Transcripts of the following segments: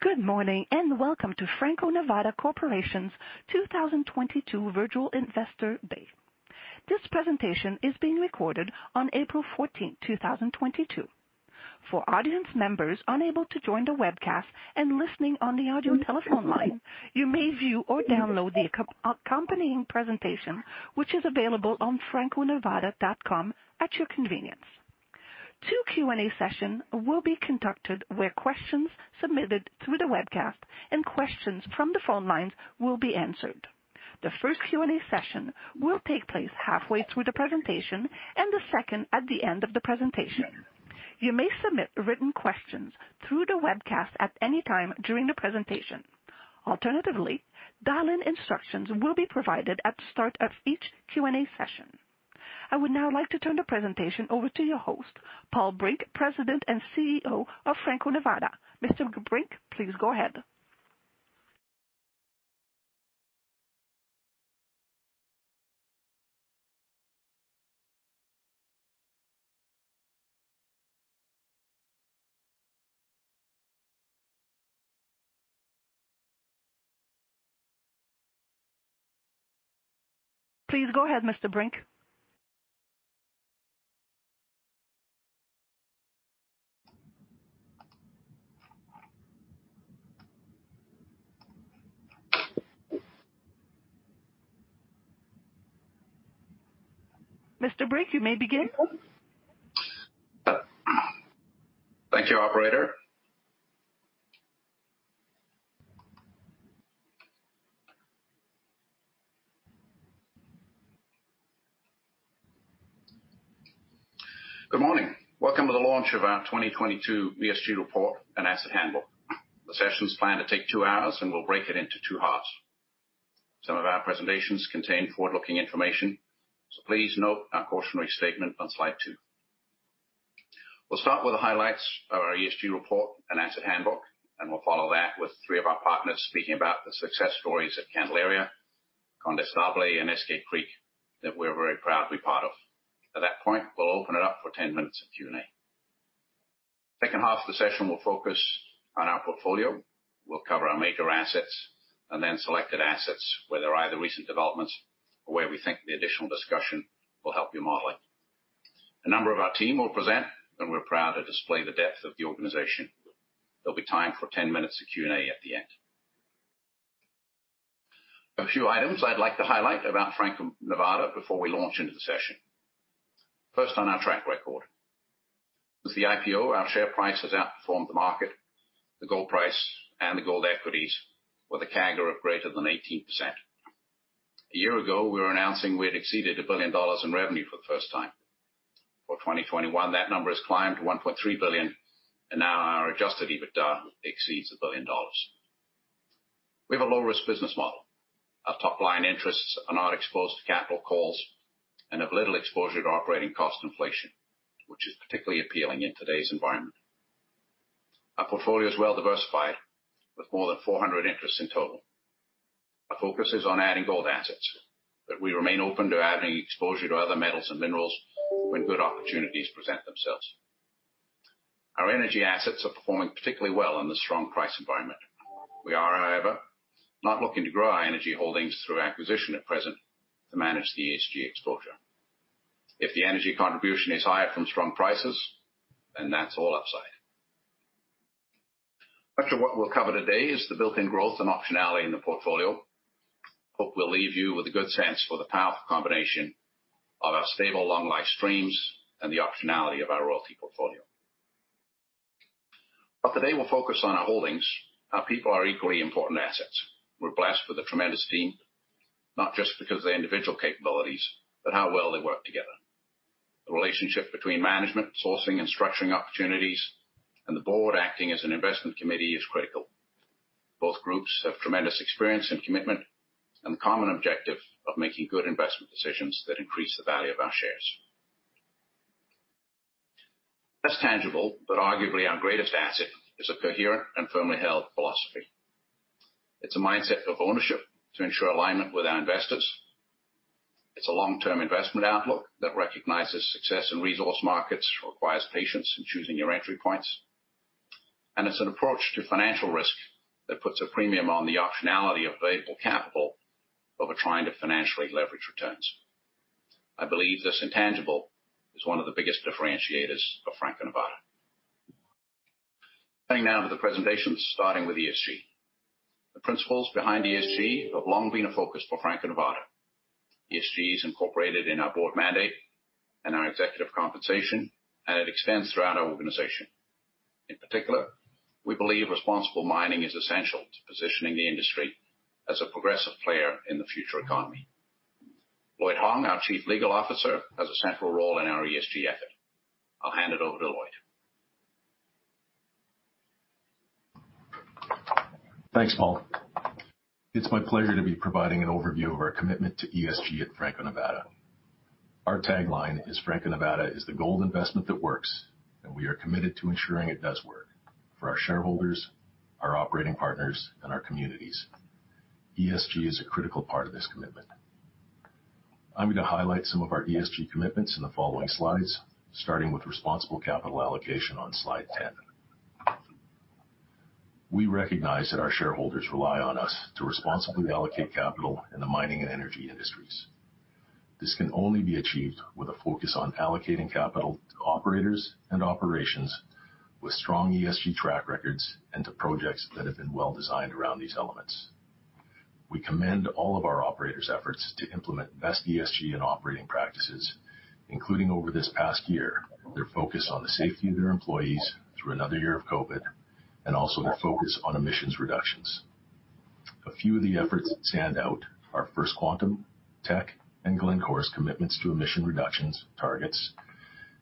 Good morning, and welcome to Franco-Nevada Corporation's 2022 virtual investor day. This presentation is being recorded on April 14, 2022. For audience members unable to join the webcast and listening on the audio telephone line, you may view or download the accompanying presentation, which is available on franconevada.com at your convenience. Two Q&A sessions will be conducted where questions submitted through the webcast and questions from the phone lines will be answered. The first Q&A session will take place halfway through the presentation and the second at the end of the presentation. You may submit written questions through the webcast at any time during the presentation. Alternatively, dial-in instructions will be provided at the start of each Q&A session. I would now like to turn the presentation over to your host, Paul Brink, President and CEO of Franco-Nevada. Mr. Brink, please go ahead. Please go ahead, Mr. Brink. Mr. Brink, you may begin. Thank you, Operator. Good morning. Welcome to the launch of our 2022 ESG report and asset handbook. The session is planned to take two hours, and we'll break it into two halves. Some of our presentations contain forward-looking information, so please note our cautionary statement on slide 2. We'll start with the highlights of our ESG report and asset handbook, and we'll follow that with three of our partners speaking about the success stories at Candelaria, Condestable, and Eskay Creek that we're very proud to be part of. At that point, we'll open it up for 10 minutes of Q&A. Second half of the session will focus on our portfolio. We'll cover our major assets and then selected assets where there are either recent developments or where we think the additional discussion will help you model it. A number of our team will present, and we're proud to display the depth of the organization. There'll be time for 10 minutes of Q&A at the end. A few items I'd like to highlight about Franco-Nevada before we launch into the session. First, on our track record. With the IPO, our share price has outperformed the market, the gold price, and the gold equities with a CAGR of greater than 18%. A year ago, we were announcing we had exceeded $1 billion in revenue for the first time. For 2021, that number has climbed to $1.3 billion, and now our Adjusted EBITDA exceeds $1 billion. We have a low-risk business model. Our top-line interests are not exposed to capital calls and have little exposure to operating cost inflation, which is particularly appealing in today's environment. Our portfolio is well diversified with more than 400 interests in total. Our focus is on adding gold assets, but we remain open to adding exposure to other metals and minerals when good opportunities present themselves. Our energy assets are performing particularly well in the strong price environment. We are, however, not looking to grow our energy holdings through acquisition at present to manage the ESG exposure. If the energy contribution is higher from strong prices, then that's all upside. Much of what we'll cover today is the built-in growth and optionality in the portfolio. I hope it will leave you with a good sense for the powerful combination of our stable long-life streams and the optionality of our royalty portfolio. While today we'll focus on our holdings, our people are equally important assets. We're blessed with a tremendous team, not just because of their individual capabilities, but how well they work together. The relationship between management, sourcing, and structuring opportunities and the board acting as an investment committee is critical. Both groups have tremendous experience and commitment and the common objective of making good investment decisions that increase the value of our shares. Less tangible, but arguably our greatest asset is a coherent and firmly held philosophy. It's a mindset of ownership to ensure alignment with our investors. It's a long-term investment outlook that recognizes success in resource markets, requires patience in choosing your entry points. It's an approach to financial risk that puts a premium on the optionality of available capital over trying to financially leverage returns. I believe this intangible is one of the biggest differentiators for Franco-Nevada. Heading now to the presentation, starting with ESG. The principles behind ESG have long been a focus for Franco-Nevada. ESG is incorporated in our board mandate and our executive compensation, and it extends throughout our organization. In particular, we believe responsible mining is essential to positioning the industry as a progressive player in the future economy. Lloyd Hong, our Chief Legal Officer, has a central role in our ESG effort. I'll hand it over to Lloyd. Thanks, Paul. It's my pleasure to be providing an overview of our commitment to ESG at Franco-Nevada. Our tagline is, "Franco-Nevada is the gold investment that works," and we are committed to ensuring it does work for our shareholders, our operating partners, and our communities. ESG is a critical part of this commitment. I'm gonna highlight some of our ESG commitments in the following slides, starting with responsible capital allocation on slide 10. We recognize that our shareholders rely on us to responsibly allocate capital in the mining and energy industries. This can only be achieved with a focus on allocating capital to operators and operations with strong ESG track records and to projects that have been well designed around these elements. We commend all of our operators' efforts to implement best ESG and operating practices, including over this past year, their focus on the safety of their employees through another year of COVID, and also their focus on emissions reductions. A few of the efforts that stand out are First Quantum, Teck, and Glencore's commitments to emissions reduction targets,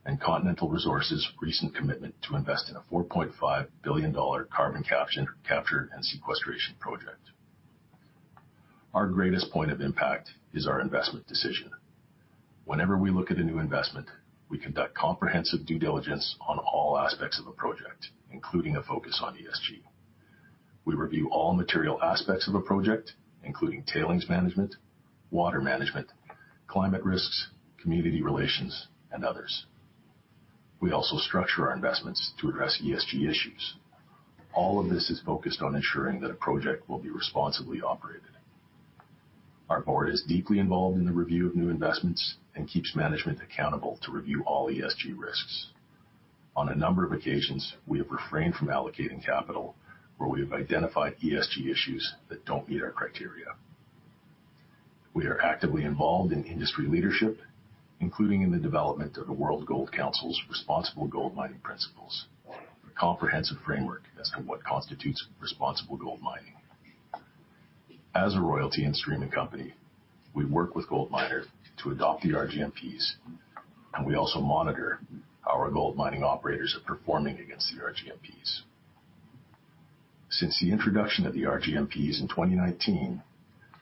and Continental Resources' recent commitment to invest in a $4.5 billion carbon capture and sequestration project. Our greatest point of impact is our investment decision. Whenever we look at a new investment, we conduct comprehensive due diligence on all aspects of a project, including a focus on ESG. We review all material aspects of a project, including tailings management, water management, climate risks, community relations, and others. We also structure our investments to address ESG issues. All of this is focused on ensuring that a project will be responsibly operated. Our board is deeply involved in the review of new investments and keeps management accountable to review all ESG risks. On a number of occasions, we have refrained from allocating capital where we have identified ESG issues that don't meet our criteria. We are actively involved in industry leadership, including in the development of the World Gold Council's Responsible Gold Mining Principles, a comprehensive framework as to what constitutes responsible gold mining. As a royalty and streaming company, we work with gold miners to adopt the RGMPs, and we also monitor how our gold mining operators are performing against the RGMPs. Since the introduction of the RGMPs in 2019,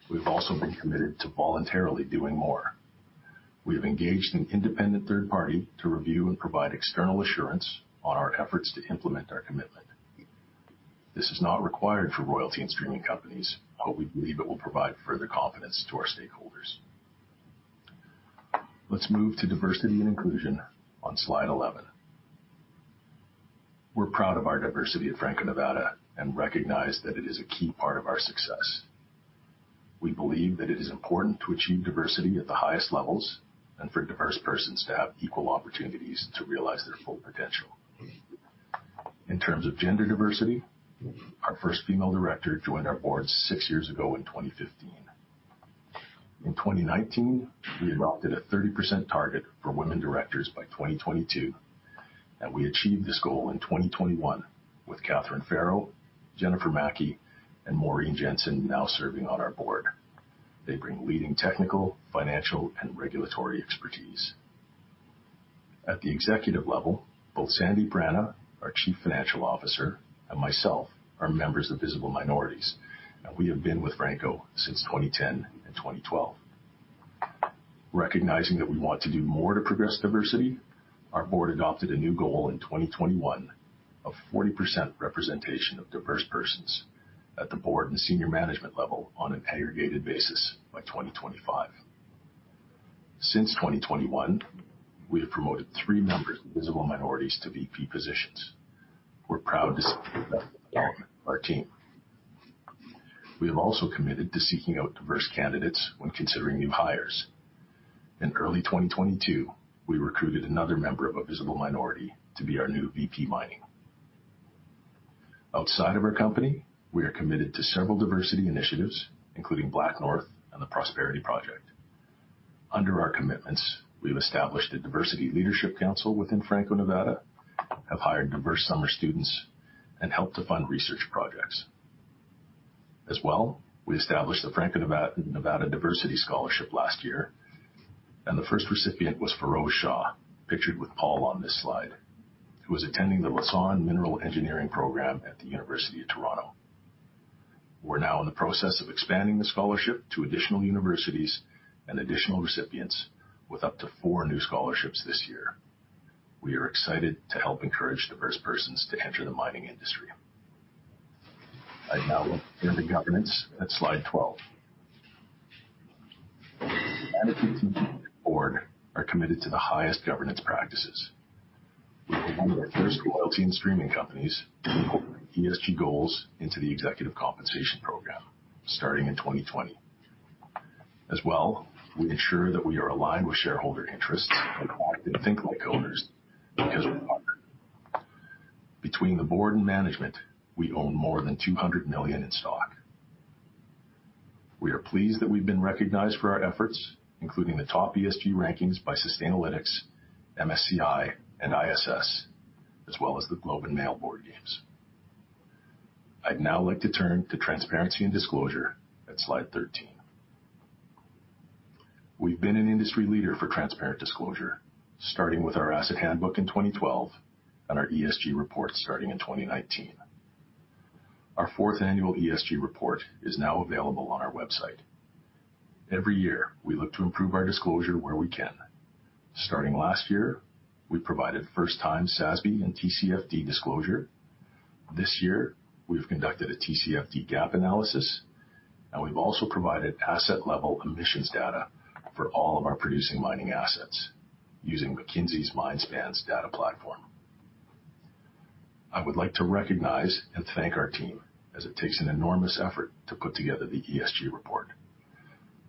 we've also been committed to voluntarily doing more. We have engaged an independent third party to review and provide external assurance on our efforts to implement our commitment. This is not required for royalty and streaming companies, but we believe it will provide further confidence to our stakeholders. Let's move to diversity and inclusion on slide 11. We're proud of our diversity at Franco-Nevada and recognize that it is a key part of our success. We believe that it is important to achieve diversity at the highest levels and for diverse persons to have equal opportunities to realize their full potential. In terms of gender diversity, our first female director joined our board six years ago in 2015. In 2019, we adopted a 30% target for women directors by 2022, and we achieved this goal in 2021 with Catharine Farrow, Jennifer Maki, and Maureen Jensen now serving on our board. They bring leading technical, financial, and regulatory expertise. At the executive level, both Sandip Rana, our Chief Financial Officer, and myself are members of visible minorities, and we have been with Franco since 2010 and 2012. Recognizing that we want to do more to progress diversity, our board adopted a new goal in 2021 of 40% representation of diverse persons at the board and senior management level on an aggregated basis by 2025. Since 2021, we have promoted three members of visible minorities to VP positions. We're proud to see development of our team. We have also committed to seeking out diverse candidates when considering new hires. In early 2022, we recruited another member of a visible minority to be our new VP mining. Outside of our company, we are committed to several diversity initiatives, including BlackNorth and The Prosperity Project. Under our commitments, we have established a diversity leadership council within Franco-Nevada, have hired diverse summer students, and helped to fund research projects. As well, we established the Franco-Nevada Diversity Scholarship last year, and the first recipient was Feroze Shah, pictured with Paul on this slide, who was attending the Lassonde Mineral Engineering Program at the University of Toronto. We're now in the process of expanding the scholarship to additional universities and additional recipients with up to four new scholarships this year. We are excited to help encourage diverse persons to enter the mining industry. I'd now look into governance at slide 12. Management and the board are committed to the highest governance practices. We've been one of the first royalty and streaming companies to incorporate ESG goals into the executive compensation program starting in 2020. We ensure that we are aligned with shareholder interests and act and think like owners because we are. Between the board and management, we own more than $200 million in stock. We are pleased that we've been recognized for our efforts, including the top ESG rankings by Sustainalytics, MSCI, and ISS, as well as the Globe and Mail Board Games. I'd now like to turn to transparency and disclosure at slide 13. We've been an industry leader for transparent disclosure, starting with our asset handbook in 2012 and our ESG report starting in 2019. Our fourth annual ESG report is now available on our website. Every year, we look to improve our disclosure where we can. Starting last year, we provided first-time SASB and TCFD disclosure. This year, we've conducted a TCFD gap analysis, and we've also provided asset level emissions data for all of our producing mining assets using McKinsey's MineSpans data platform. I would like to recognize and thank our team as it takes an enormous effort to put together the ESG report.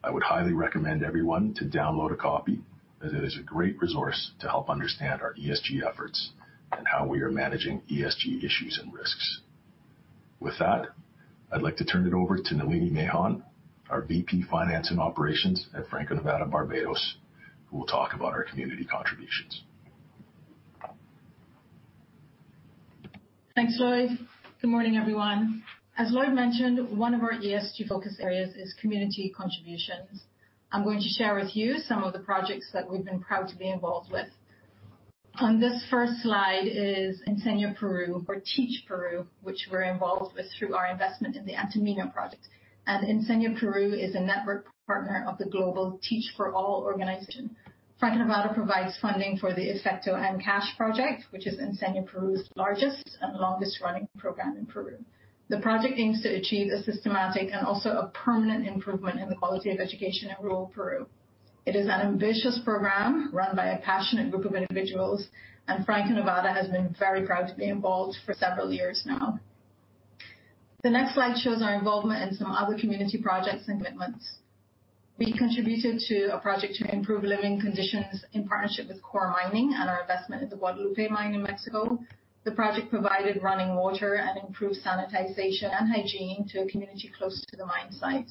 I would highly recommend everyone to download a copy as it is a great resource to help understand our ESG efforts and how we are managing ESG issues and risks. With that, I'd like to turn it over to Nalinie Mahon, our VP, Finance and Operations at Franco-Nevada (Barbados), who will talk about our community contributions. Thanks, Lloyd. Good morning, everyone. As Lloyd mentioned, one of our ESG focus areas is community contributions. I'm going to share with you some of the projects that we've been proud to be involved with. On this first slide is Enseña Perú or Teach Perú, which we're involved with through our investment in the Antamina project. Enseña Perú is a network partner of the global Teach For All organization. Franco-Nevada provides funding for the Efecto Áncash project, which is Enseña Perú's largest and longest running program in Peru. The project aims to achieve a systematic and also a permanent improvement in the quality of education in rural Peru. It is an ambitious program run by a passionate group of individuals, and Franco-Nevada has been very proud to be involved for several years now. The next slide shows our involvement in some other community projects and commitments. We contributed to a project to improve living conditions in partnership with Coeur Mining and our investment in the Guadalupe mine in Mexico. The project provided running water and improved sanitization and hygiene to a community close to the mine site.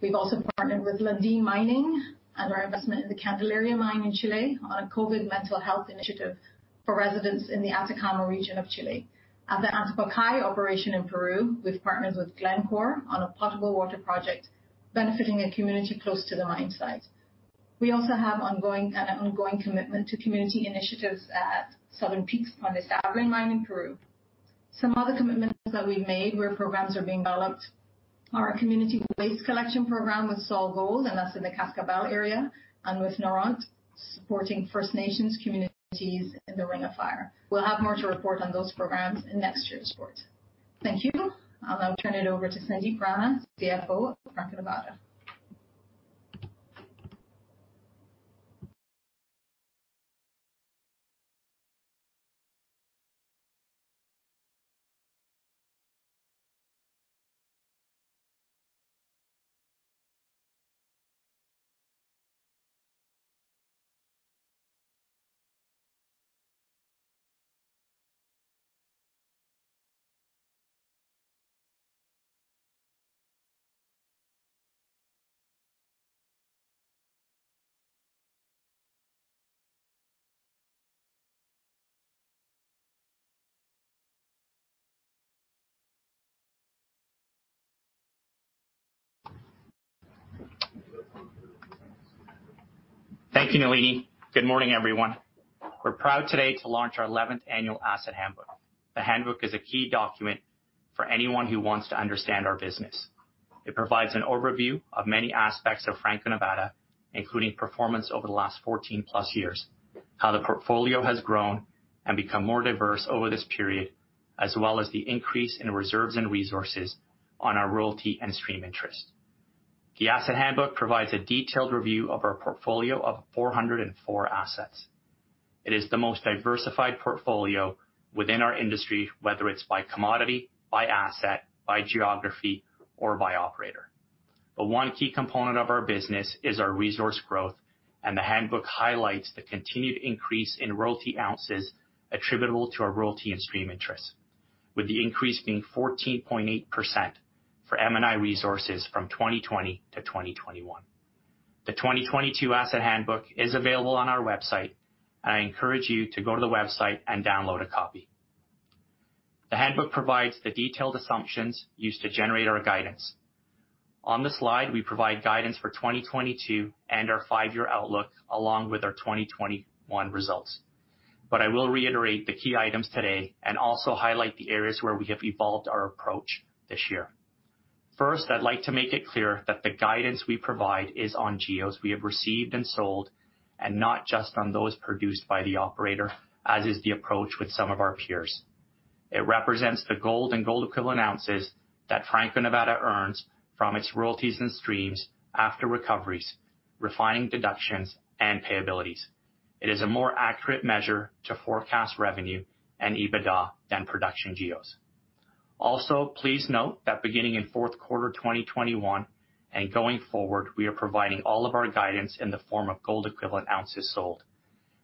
We've also partnered with Lundin Mining and our investment in the Candelaria mine in Chile on a COVID mental health initiative for residents in the Atacama region of Chile. At the Antapaccay operation in Peru, we've partnered with Glencore on a potable water project benefiting a community close to the mine site. We also have an ongoing commitment to community initiatives at Southern Peaks Mining Condestable mine in Peru. Some other commitments that we've made where programs are being developed are a community waste collection program with SolGold, and that's in the Cascabel area and with Noront supporting First Nations communities in the Ring of Fire. We'll have more to report on those programs in next year's report. Thank you. I'll now turn it over to Sandip Rana, CFO of Franco-Nevada. Thank you, Nalini. Good morning, everyone. We're proud today to launch our 11th annual asset handbook. The handbook is a key document for anyone who wants to understand our business. It provides an overview of many aspects of Franco-Nevada, including performance over the last 14+ years, how the portfolio has grown and become more diverse over this period, as well as the increase in reserves and resources on our royalty and stream interest. The asset handbook provides a detailed review of our portfolio of 404 assets. It is the most diversified portfolio within our industry, whether it's by commodity, by asset, by geography, or by operator. One key component of our business is our resource growth, and the handbook highlights the continued increase in royalty ounces attributable to our royalty and stream interest, with the increase being 14.8% for M&I resources from 2020 to 2021. The 2022 asset handbook is available on our website. I encourage you to go to the website and download a copy. The handbook provides the detailed assumptions used to generate our guidance. On this slide, we provide guidance for 2022 and our five-year outlook along with our 2021 results. I will reiterate the key items today and also highlight the areas where we have evolved our approach this year. First, I'd like to make it clear that the guidance we provide is on GEOs we have received and sold, and not just on those produced by the operator, as is the approach with some of our peers. It represents the gold and gold equivalent ounces that Franco-Nevada earns from its royalties and streams after recoveries, refining deductions, and payabilities. It is a more accurate measure to forecast revenue and EBITDA than production GEOs. Also, please note that beginning in fourth quarter 2021 and going forward, we are providing all of our guidance in the form of gold equivalent ounces sold.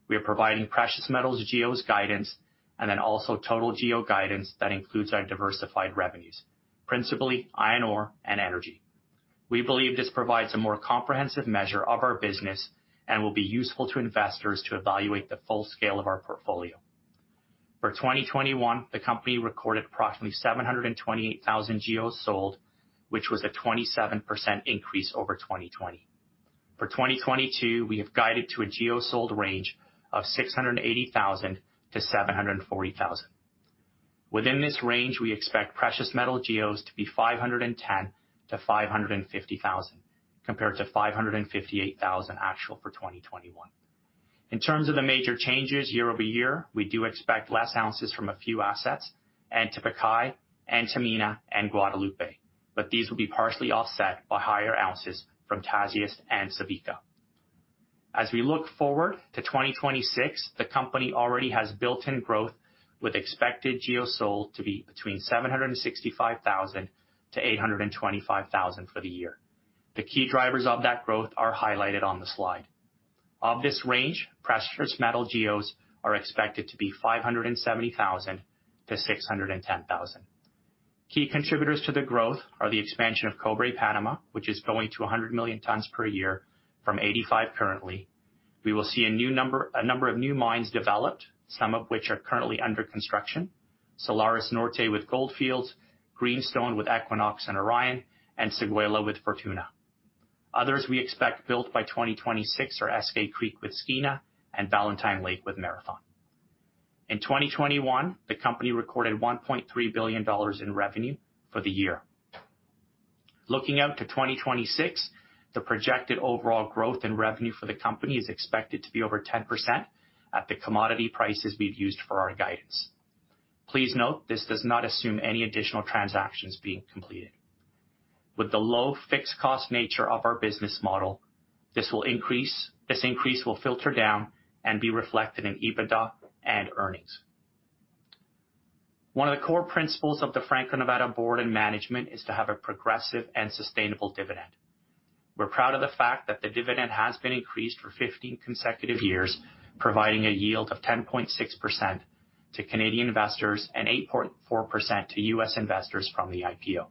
We are providing precious metals GEOs guidance and then also total GEO guidance that includes our diversified revenues, principally iron ore and energy. We believe this provides a more comprehensive measure of our business and will be useful to investors to evaluate the full scale of our portfolio. For 2021, the company recorded approximately 728,000 GEOs sold, which was a 27% increase over 2020. For 2022, we have guided to a GEO sold range of 680,000-740,000. Within this range, we expect precious metal GEOs to be 510,000-550,000, compared to 558,000 actual for 2021. In terms of the major changes year-over-year, we do expect less ounces from a few assets, Antapaccay, Antamina, and Q, but these will be partially offset by higher ounces from Tasiast and Subika. As we look forward to 2026, the company already has built-in growth with expected GEOs sold to be between 765,000-825,000 for the year. The key drivers of that growth are highlighted on the slide. Of this range, precious metal GEOs are expected to be 570,000-610,000. Key contributors to the growth are the expansion of Cobre Panamá, which is going to 100 million tons per year from 85 currently. We will see a number of new mines developed, some of which are currently under construction. Salares Norte with Gold Fields, Greenstone with Equinox and Orion, and Séguéla with Fortuna. Others we expect built by 2026 are SK Creek with Skeena and Valentine Lake with Marathon. In 2021, the company recorded $1.3 billion in revenue for the year. Looking out to 2026, the projected overall growth in revenue for the company is expected to be over 10% at the commodity prices we've used for our guidance. Please note this does not assume any additional transactions being completed. With the low fixed cost nature of our business model, this will increase. This increase will filter down and be reflected in EBITDA and earnings. One of the core principles of the Franco-Nevada board and management is to have a progressive and sustainable dividend. We're proud of the fact that the dividend has been increased for 15 consecutive years, providing a yield of 10.6% to Canadian investors and 8.4% to U.S. investors from the IPO.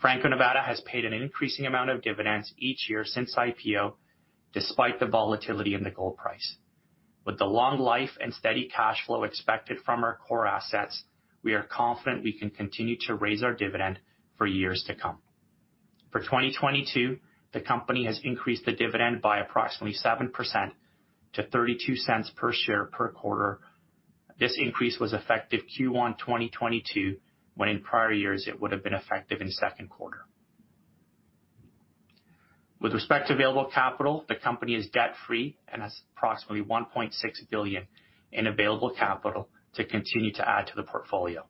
Franco-Nevada has paid an increasing amount of dividends each year since IPO, despite the volatility in the gold price. With the long life and steady cash flow expected from our core assets, we are confident we can continue to raise our dividend for years to come. For 2022, the company has increased the dividend by approximately 7% to $0.32 per share per quarter. This increase was effective Q1 2022, when in prior years it would have been effective in second quarter. With respect to available capital, the company is debt-free and has approximately $1.6 billion in available capital to continue to add to the portfolio.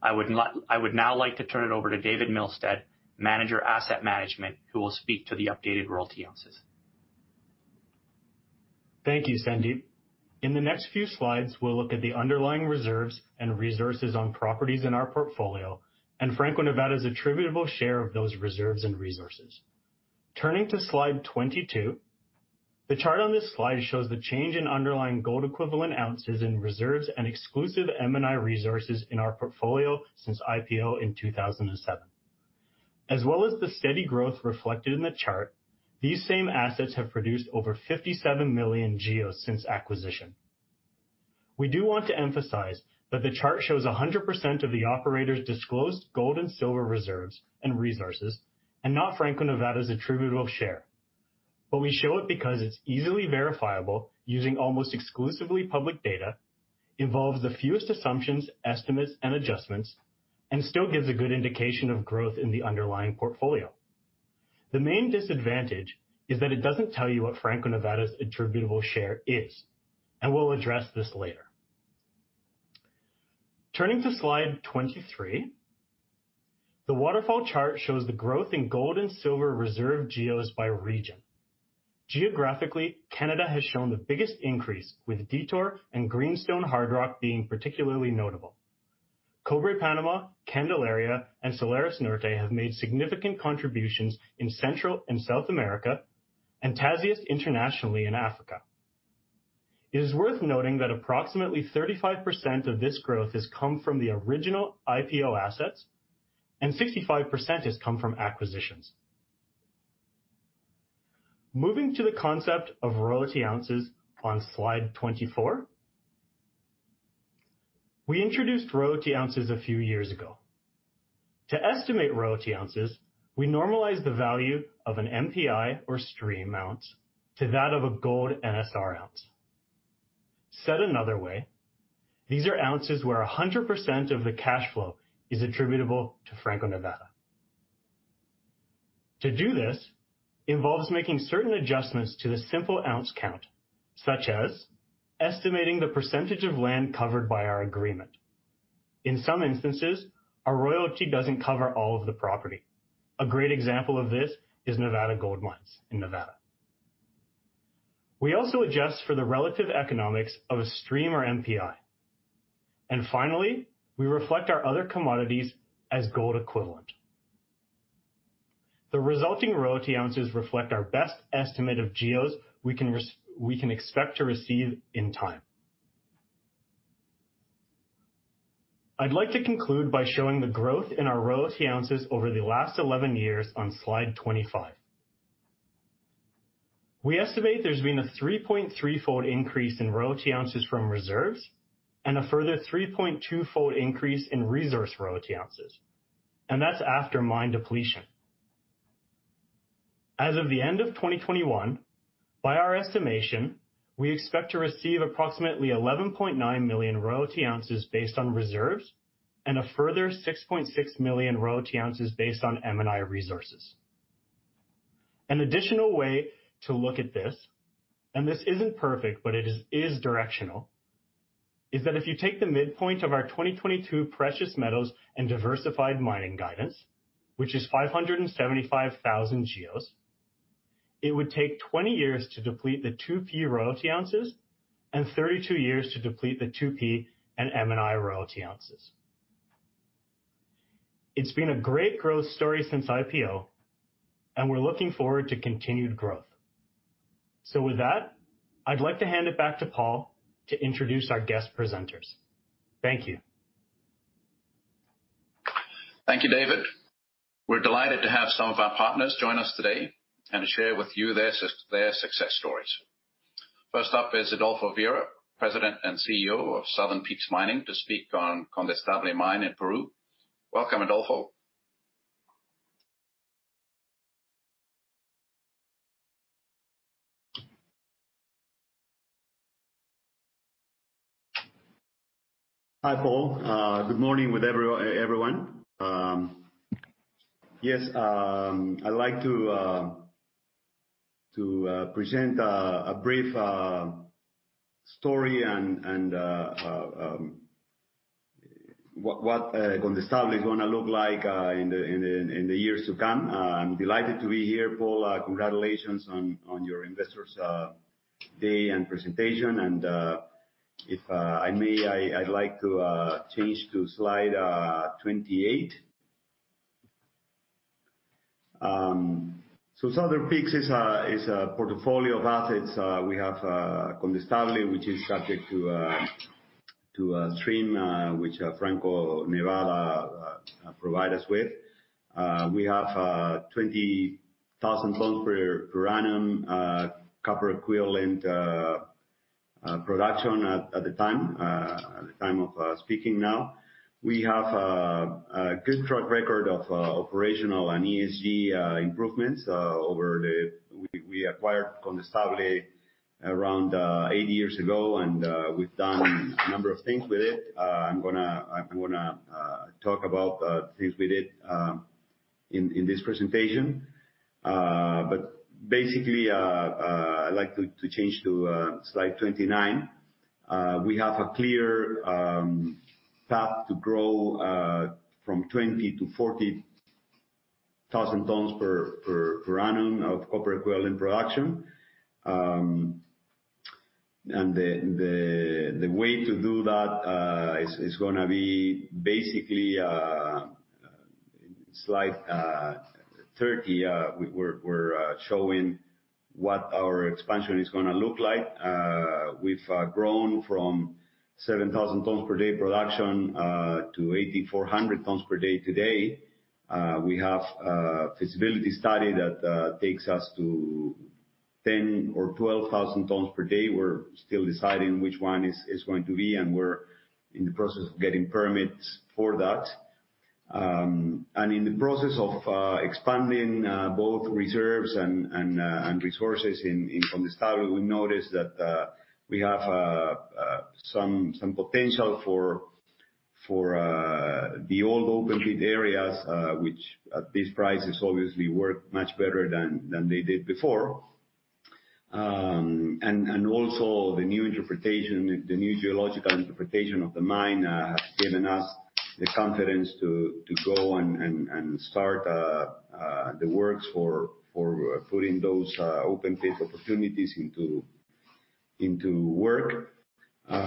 I would now like to turn it over to David Milstead, Director, Asset Management, who will speak to the updated Royalty Ounces. Thank you, Sandip. In the next few slides, we'll look at the underlying reserves and resources on properties in our portfolio and Franco-Nevada's attributable share of those reserves and resources. Turning to slide 22. The chart on this slide shows the change in underlying gold equivalent ounces in reserves and exclusive M&I resources in our portfolio since IPO in 2007. As well as the steady growth reflected in the chart, these same assets have produced over 57 million GEOs since acquisition. We do want to emphasize that the chart shows 100% of the operator's disclosed gold and silver reserves and resources and not Franco-Nevada's attributable share. We show it because it's easily verifiable using almost exclusively public data, involves the fewest assumptions, estimates, and adjustments, and still gives a good indication of growth in the underlying portfolio. The main disadvantage is that it doesn't tell you what Franco-Nevada's attributable share is, and we'll address this later. Turning to slide 23. The waterfall chart shows the growth in gold and silver reserve GEOs by region. Geographically, Canada has shown the biggest increase, with Detour and Greenstone Hard Rock being particularly notable. Cobre Panama, Candelaria, and Salares Norte have made significant contributions in Central and South America, and Tasiast internationally in Africa. It is worth noting that approximately 35% of this growth has come from the original IPO assets and 65% has come from acquisitions. Moving to the concept of royalty ounces on slide 24. We introduced royalty ounces a few years ago. To estimate royalty ounces, we normalize the value of an NPI or stream ounce to that of a gold NSR ounce. Said another way, these are ounces where 100% of the cash flow is attributable to Franco-Nevada. To do this involves making certain adjustments to the simple ounce count, such as estimating the percentage of land covered by our agreement. In some instances, our royalty doesn't cover all of the property. A great example of this is Nevada Gold Mines in Nevada. We also adjust for the relative economics of a stream or NPI. Finally, we reflect our other commodities as gold equivalent. The resulting royalty ounces reflect our best estimate of GEOs we can expect to receive in time. I'd like to conclude by showing the growth in our royalty ounces over the last 11 years on slide 25. We estimate there's been a 3.3-fold increase in royalty ounces from reserves and a further 3.2-fold increase in resource royalty ounces, and that's after mine depletion. As of the end of 2021, by our estimation, we expect to receive approximately 11.9 million royalty ounces based on reserves and a further 6.6 million royalty ounces based on M&I resources. An additional way to look at this, and this isn't perfect, but it is directional, is that if you take the midpoint of our 2022 precious metals and diversified mining guidance, which is 575,000 GEOs, it would take 20 years to deplete the 2P royalty ounces and 32 years to deplete the 2P and M&I royalty ounces. It's been a great growth story since IPO, and we're looking forward to continued growth. With that, I'd like to hand it back to Paul to introduce our guest presenters. Thank you. Thank you, David. We're delighted to have some of our partners join us today and to share with you their success stories. First up is Adolfo Vera, President and CEO of Southern Peaks Mining to speak on Condestable Mine in Peru. Welcome, Adolfo. Hi, Paul. Good morning, everyone. Yes, I'd like to present a brief story and what Condestable is gonna look like in the years to come. I'm delighted to be here, Paul. Congratulations on your Investors' Day and presentation. If I may, I'd like to change to slide 28. So Southern Peaks is a portfolio of assets. We have Condestable, which is subject to a stream which Franco-Nevada provide us with. We have 20,000 tons per annum copper equivalent production at the time of speaking now. We have a good track record of operational and ESG improvements. We acquired Condestable around eight years ago, and we've done a number of things with it. I'm gonna talk about things we did in this presentation. Basically, I'd like to change to slide 29. We have a clear path to grow from 20,000-40,000 tons per annum of copper equivalent production. The way to do that is gonna be basically slide 30. We're showing what our expansion is gonna look like. We've grown from 7,000 tons per day production to 8,400 tons per day today. We have a feasibility study that takes us to 10,000 or 12,000 tons per day. We're still deciding which one is going to be, and we're in the process of getting permits for that. In the process of expanding both reserves and resources in Condestable, we noticed that we have some potential for the old open pit areas, which at these prices obviously work much better than they did before. Also the new interpretation, the new geological interpretation of the mine has given us the confidence to go and start the works for putting those open pit opportunities into work. We have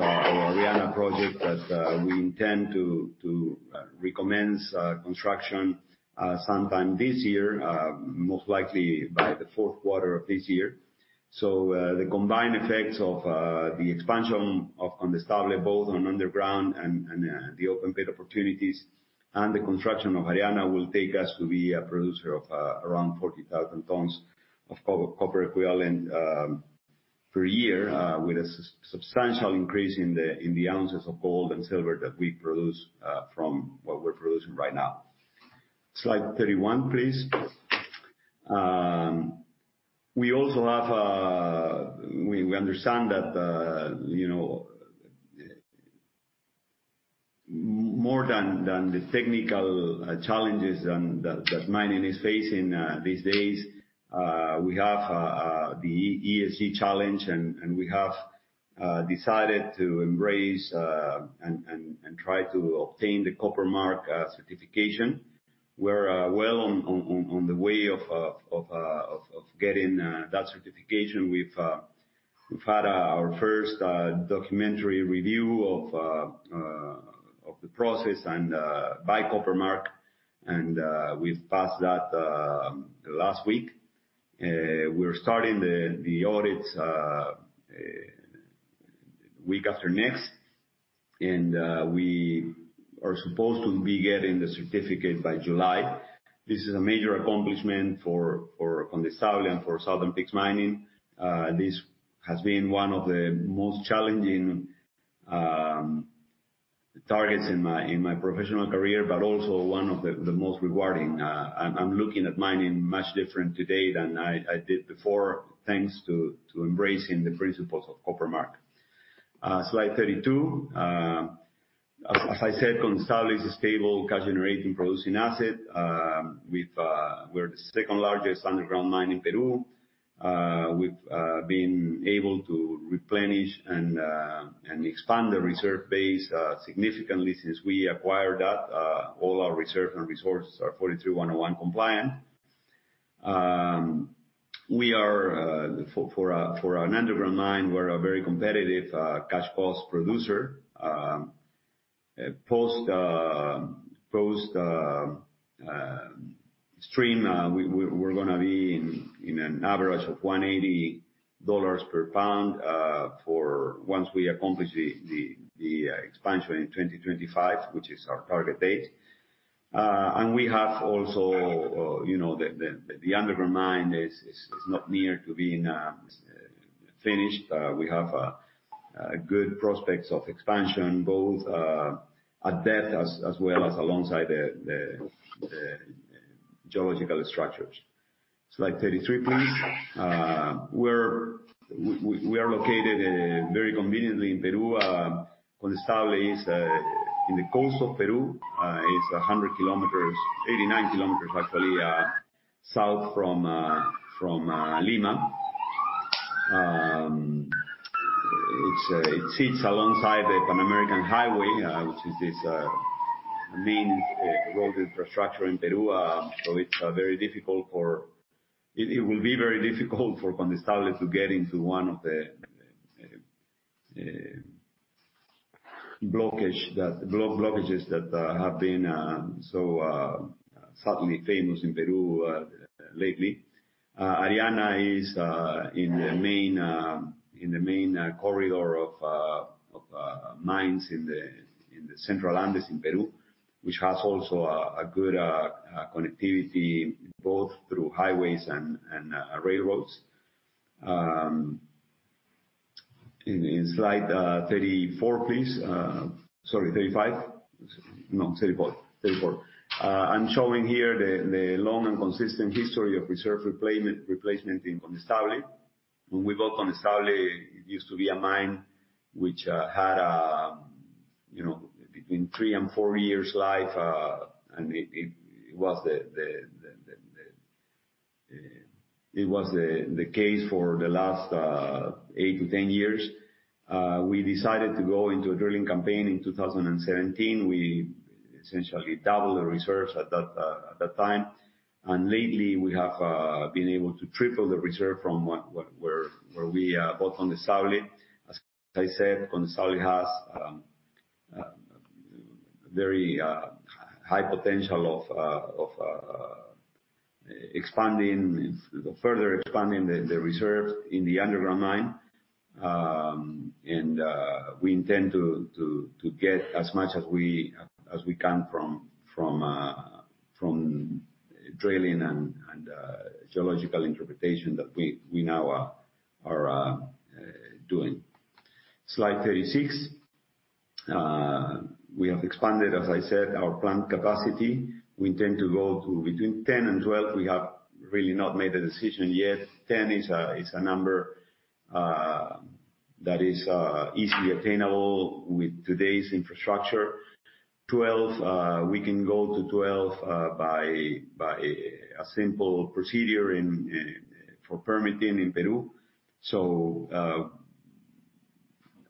our Ariana project that we intend to recommence construction sometime this year, most likely by the fourth quarter of this year. The combined effects of the expansion of Condestable both on underground and the open pit opportunities and the construction of Ariana will take us to be a producer of around 40,000 tons of copper equivalent per year, with a substantial increase in the ounces of gold and silver that we produce from what we're producing right now. Slide 31, please. We also have... We understand that, you know, more than the technical challenges that mining is facing these days, we have the ESG challenge and we have decided to embrace and try to obtain the Copper Mark certification. We're well on the way of getting that certification. We've had our first documentary review of the process and by Copper Mark, and we've passed that last week. We're starting the audits week after next, and we are supposed to be getting the certificate by July. This is a major accomplishment for Condestable and for Southern Peaks Mining. This has been one of the most challenging targets in my professional career, but also one of the most rewarding. I'm looking at mining much different today than I did before, thanks to embracing the principles of Copper Mark. Slide 32. As I said, Condestable is a stable cash generating producing asset. We are the second largest underground mine in Peru. We've been able to replenish and expand the reserve base significantly since we acquired that. All our reserve and resources are NI 43-101 compliant. For an underground mine, we are a very competitive cash cost producer. Post-stream, we're gonna be in an average of $180 per pound once we accomplish the expansion in 2025, which is our target date. We have also, you know, the underground mine is not near to being finished. We have good prospects of expansion, both at depth as well as alongside the geological structures. Slide 33, please. We're located very conveniently in Peru. Condestable is on the coast of Peru. It's 100 kilometers, 89 kilometers actually, south from Lima. It sits alongside the Pan American Highway, which is this main road infrastructure in Peru. It will be very difficult for Condestable to get into one of the blockages that have been so suddenly famous in Peru lately. The area is in the main corridor of mines in the Central Andes in Peru, which also has good connectivity both through highways and railroads. In slide 34 please. Sorry, 35. No, 34. 34. I'm showing here the long and consistent history of reserve replacement in Condestable. When we bought Condestable, it used to be a mine which had, you know, between three and four years life. It was the case for the last eight to 10 years. We decided to go into a drilling campaign in 2017. We essentially doubled the reserves at that time. Lately, we have been able to triple the reserve from where we bought Condestable. As I said, Condestable has very high potential of further expanding the reserves in the underground mine. We intend to get as much as we can from drilling and geological interpretation that we now are doing. Slide 36. We have expanded, as I said, our plant capacity. We intend to go to between 10 and 12. We have really not made a decision yet. 10 is a number that is easily obtainable with today's infrastructure. 12, we can go to 12 by a simple procedure in for permitting in Peru.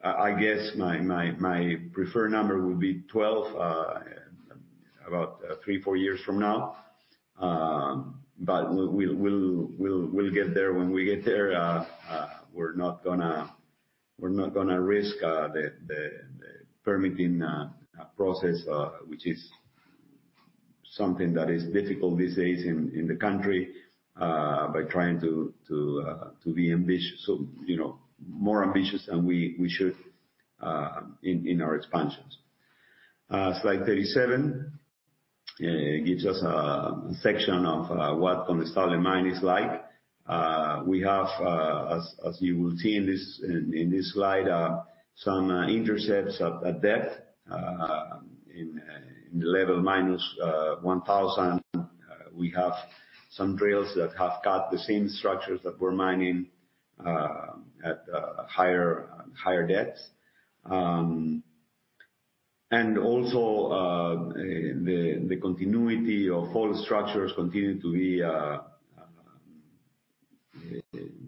I guess my preferred number would be 12 about three to four years from now. But we'll get there when we get there. We're not gonna risk the permitting process, which is something that is difficult these days in the country, by trying to be, so you know, more ambitious than we should in our expansions. Slide 37 gives us a section of what Condestable mine is like. We have, as you will see in this slide, some intercepts at depth. In the level -1,000, we have some drills that have got the same structures that we're mining at higher depths. Also, the continuity of all structures continue to be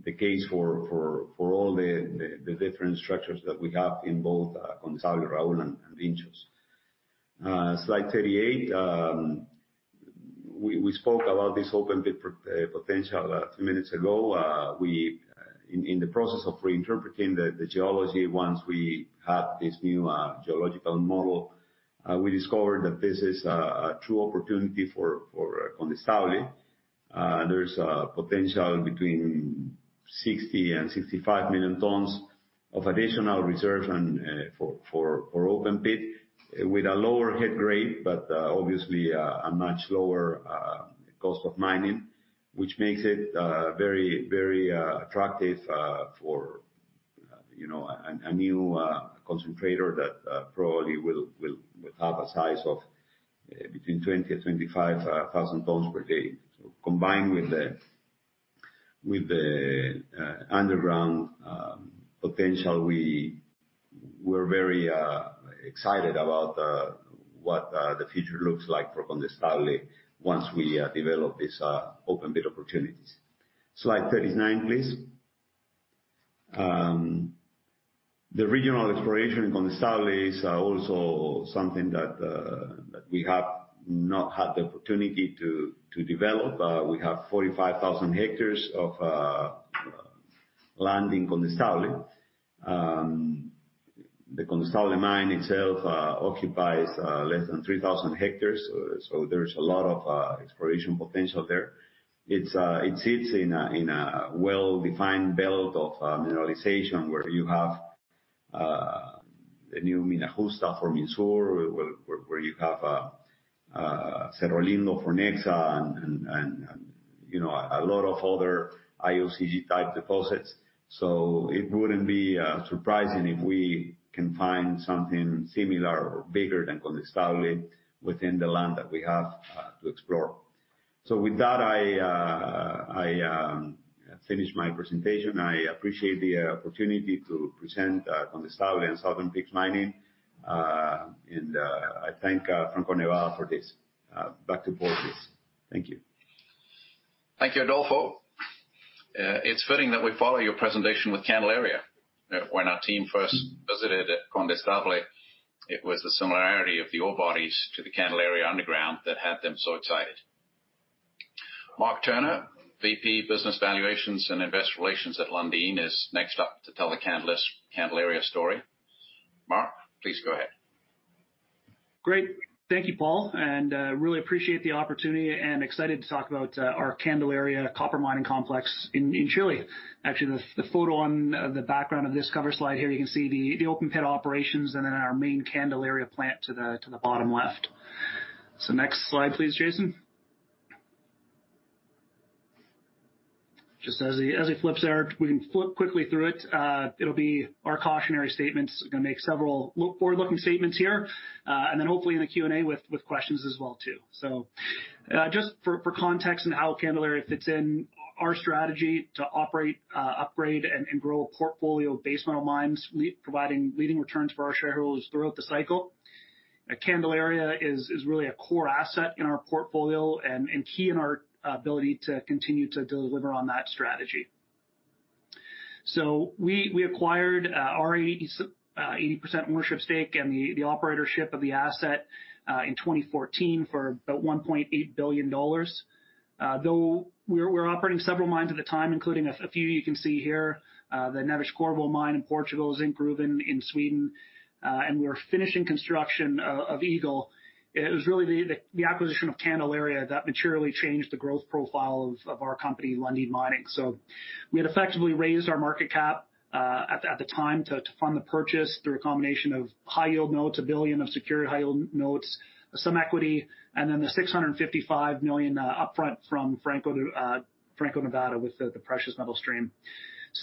the case for all the different structures that we have in both Condestable, Raúl, and Vinchos. Slide 38. We spoke about this open pit potential a few minutes ago. In the process of reinterpreting the geology, once we had this new geological model, we discovered that this is a true opportunity for Condestable. There is a potential between 60 million-65 million tons of additional reserves and for open pit with a lower head grade, but obviously a much lower cost of mining. Which makes it very attractive, you know, for a new concentrator that probably will have a size of between 20-25,000 tons per day. Combined with the underground potential, we're very excited about what the future looks like for Condestable once we develop these open pit opportunities. Slide 39, please. The regional exploration in Condestable is also something that we have not had the opportunity to develop. We have 45,000 hectares of land in Condestable. The Condestable mine itself occupies less than 3,000 hectares, so there's a lot of exploration potential there. It sits in a well-defined belt of mineralization, where you have the new Mina Justa for Minsur, where you have Cerro Lindo for Nexa and, you know, a lot of other IOCG type deposits. It wouldn't be surprising if we can find something similar or bigger than Condestable within the land that we have to explore. With that, I finish my presentation. I appreciate the opportunity to present Condestable and Southern Peaks Mining. I thank Franco-Nevada for this. Back to Paul, please. Thank you. Thank you, Adolfo. It's fitting that we follow your presentation with Candelaria. When our team first visited Condestable, it was the similarity of the ore bodies to the Candelaria underground that had them so excited. Mark Turner, VP, Business Valuations and Investor Relations at Lundin, is next up to tell the Candelaria story. Mark, please go ahead. Great. Thank you, Paul, and I really appreciate the opportunity and I'm excited to talk about our Candelaria copper mining complex in Chile. Actually, the photo on the background of this cover slide here, you can see the open pit operations and then our main Candelaria plant to the bottom left. Next slide, please, Jason. Just as he flips there, we can flip quickly through it. It'll be our cautionary statements. Gonna make several forward-looking statements here, and then hopefully in the Q&A with questions as well too. Just for context on how Candelaria fits in our strategy to operate, upgrade, and grow a portfolio of base metal mines providing leading returns for our shareholders throughout the cycle. Candelaria is really a core asset in our portfolio and key in our ability to continue to deliver on that strategy. We acquired our 80% ownership stake and the operatorship of the asset in 2014 for about $1.8 billion. Though we're operating several mines at the time, including a few you can see here, the Neves-Corvo mine in Portugal, Zinkgruvan in Sweden, and we're finishing construction of Eagle. It was really the acquisition of Candelaria that materially changed the growth profile of our company, Lundin Mining. We had effectively raised our market cap at the time to fund the purchase through a combination of high yield notes, $1 billion of secured high yield notes, some equity, and then the $655 million upfront from Franco-Nevada with the precious metal stream.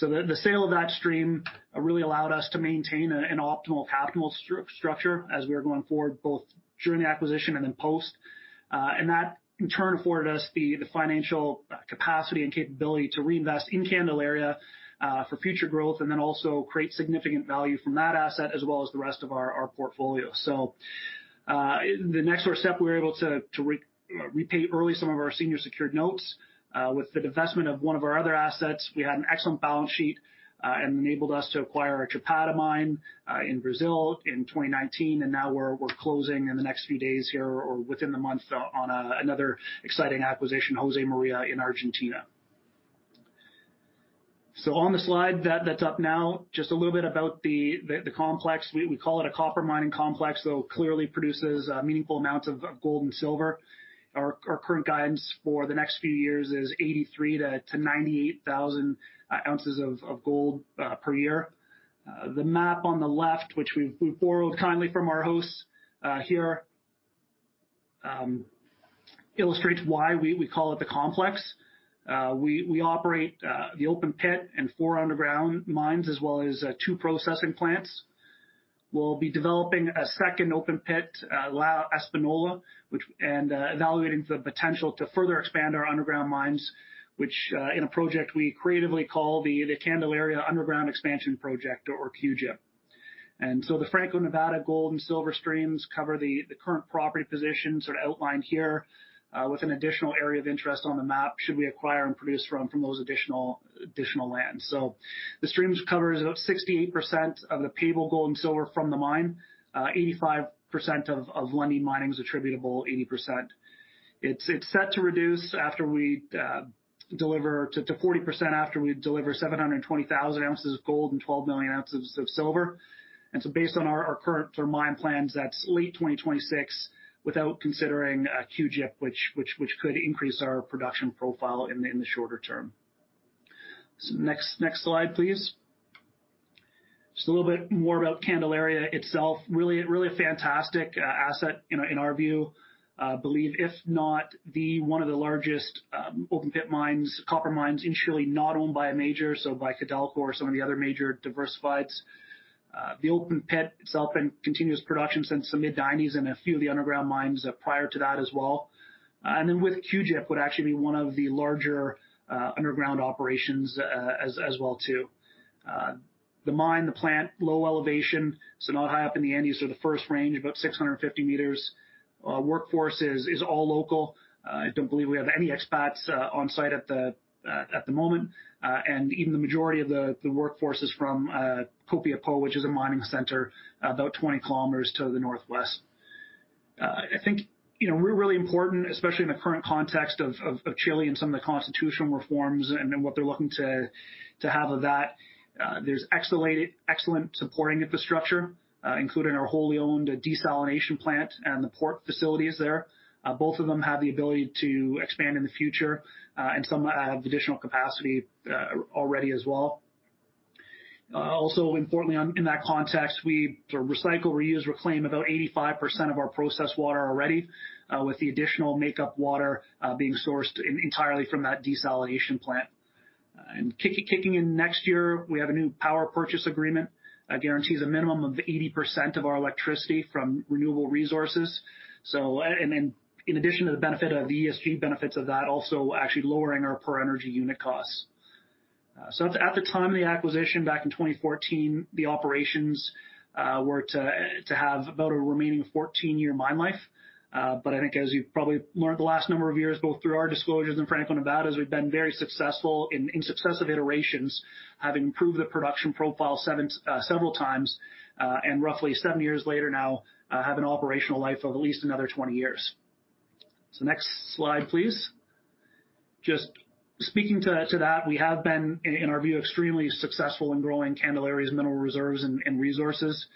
The sale of that stream really allowed us to maintain an optimal capital structure as we were going forward, both during the acquisition and then post. That in turn afforded us the financial capacity and capability to reinvest in Candelaria for future growth, and then also create significant value from that asset as well as the rest of our portfolio. The next step, we were able to repay early some of our senior secured notes. With the divestment of one of our other assets, we had an excellent balance sheet, and enabled us to acquire Chapada mine in Brazil in 2019, and now we're closing in the next few days here or within the month on another exciting acquisition, Josemaria in Argentina. On the slide that's up now, just a little bit about the complex. We call it a copper mining complex, though it clearly produces meaningful amounts of gold and silver. Our current guidance for the next few years is 83,000-98,000 ounces of gold per year. The map on the left, which we borrowed kindly from our hosts here, illustrates why we call it the complex. We operate the open pit and four underground mines, as well as two processing plants. We'll be developing a second open pit, El Espino, evaluating the potential to further expand our underground mines in a project we creatively call the Candelaria Underground Expansion Project or CUEP. The Franco-Nevada gold and silver streams cover the current property positions outlined here with an additional area of interest on the map should we acquire and produce from those additional lands. The streams cover about 68% of the payable gold and silver from the mine. 85% of Lundin Mining's attributable 80%. It's set to reduce after we deliver to 40% after we deliver 720,000 ounces of gold and 12 million ounces of silver. Based on our current mine plans, that's late 2026 without considering CUEP, which could increase our production profile in the shorter term. Next slide, please. Just a little bit more about Candelaria itself. Really a fantastic asset in our view. Believe, if not the one of the largest open pit copper mines in Chile, not owned by a major, so by Codelco or some of the other major diversifieds. The open pit itself in continuous production since the mid-1990s and a few of the underground mines prior to that as well. With QIP would actually be one of the larger underground operations as well too. The mine, the plant, low elevation, so not high up in the Andes or the Front Range, about 650 meters. Workforce is all local. I don't believe we have any expats on site at the moment. And even the majority of the workforce is from Copiapó, which is a mining center about 20 kilometers to the northwest. I think, you know, we're really important, especially in the current context of Chile and some of the constitutional reforms and what they're looking to have of that. There's excellent supporting infrastructure, including our wholly owned desalination plant and the port facilities there. Both of them have the ability to expand in the future, and some have additional capacity already as well. Also importantly, in that context, we recycle, reuse, reclaim about 85% of our processed water already, with the additional makeup water being sourced entirely from that desalination plant. Kicking in next year, we have a new power purchase agreement guarantees a minimum of 80% of our electricity from renewable resources, and then in addition to the benefit of the ESG benefits of that, also actually lowering our per energy unit costs. At the time of the acquisition back in 2014, the operations were to have about a remaining 14-year mine life. I think as you've probably learned the last number of years, both through our disclosures and Franco-Nevada's, we've been very successful in successive iterations, having improved the production profile several times, and roughly seven years later now, have an operational life of at least another 20 years. Next slide, please. Just speaking to that, we have been in our view, extremely successful in growing Candelaria's mineral reserves and resources.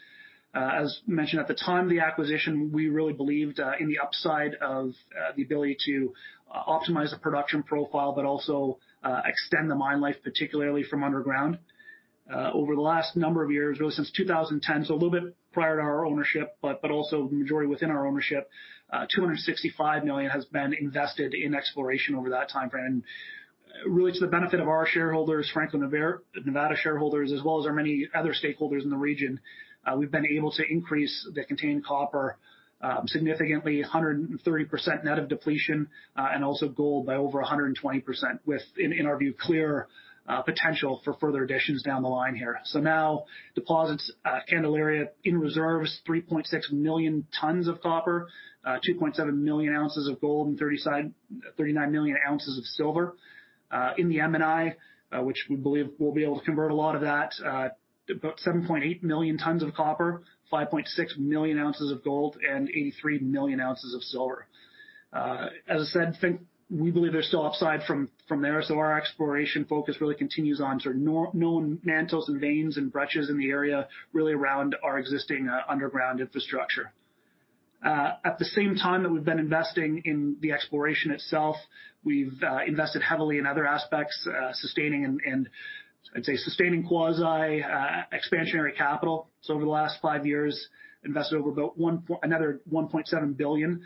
As mentioned at the time of the acquisition, we really believed in the upside of the ability to optimize the production profile, but also extend the mine life, particularly from underground. Over the last number of years, really since 2010, so a little bit prior to our ownership, but also the majority within our ownership, $265 million has been invested in exploration over that timeframe. Really to the benefit of our shareholders, Franco-Nevada shareholders, as well as our many other stakeholders in the region, we've been able to increase the contained copper, significantly 130% net of depletion, and also gold by over 120% with in our view, clear, potential for further additions down the line here. Now deposits, Candelaria in reserves, 3.6 million tons of copper, 2.7 million ounces of gold, and 39 million ounces of silver. In the M&I, which we believe we'll be able to convert a lot of that, about 7.8 million tons of copper, 5.6 million ounces of gold, and 83 million ounces of silver. As I said, I think we believe there's still upside from there. Our exploration focus really continues on to known mantos and veins and breccias in the area, really around our existing underground infrastructure. At the same time that we've been investing in the exploration itself, we've invested heavily in other aspects, sustaining and I'd say sustaining quasi expansionary capital. Over the last five years, invested over about another $1.7 billion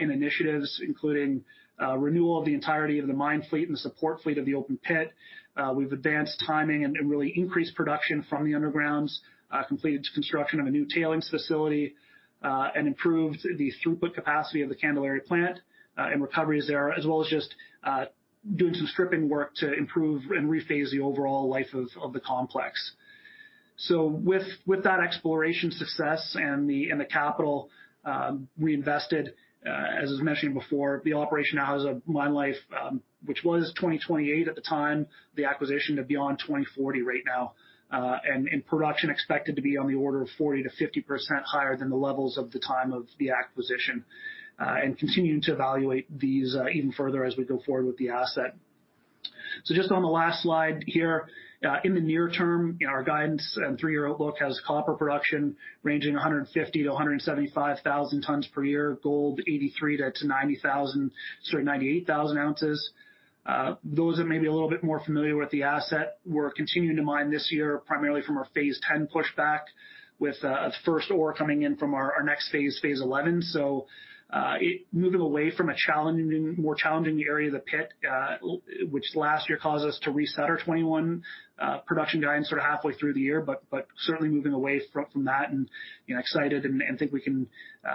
in initiatives, including renewal of the entirety of the mine fleet and the support fleet of the open pit. We've advanced timing and really increased production from the undergrounds, completed construction of a new tailings facility, and improved the throughput capacity of the Candelaria plant and recoveries there, as well as just doing some stripping work to improve and rephase the overall life of the complex. With that exploration success and the capital we invested, as was mentioned before, the operation now has a mine life, which was 2028 at the time of the acquisition to beyond 2040 right now, and production expected to be on the order of 40%-50% higher than the levels of the time of the acquisition, and continuing to evaluate these even further as we go forward with the asset. Just on the last slide here, in the near term, our guidance and three-year outlook has copper production ranging 150,000-175,000 tons per year, gold 83,000-98,000 ounces. Those that may be a little bit more familiar with the asset, we're continuing to mine this year, primarily from our phase 10 pushback with first ore coming in from our next Phase 11. Moving away from a challenging, more challenging area of the pit, which last year caused us to reset our 2021 production guidance sort of halfway through the year. But certainly moving away from that and, you know, excited and think we can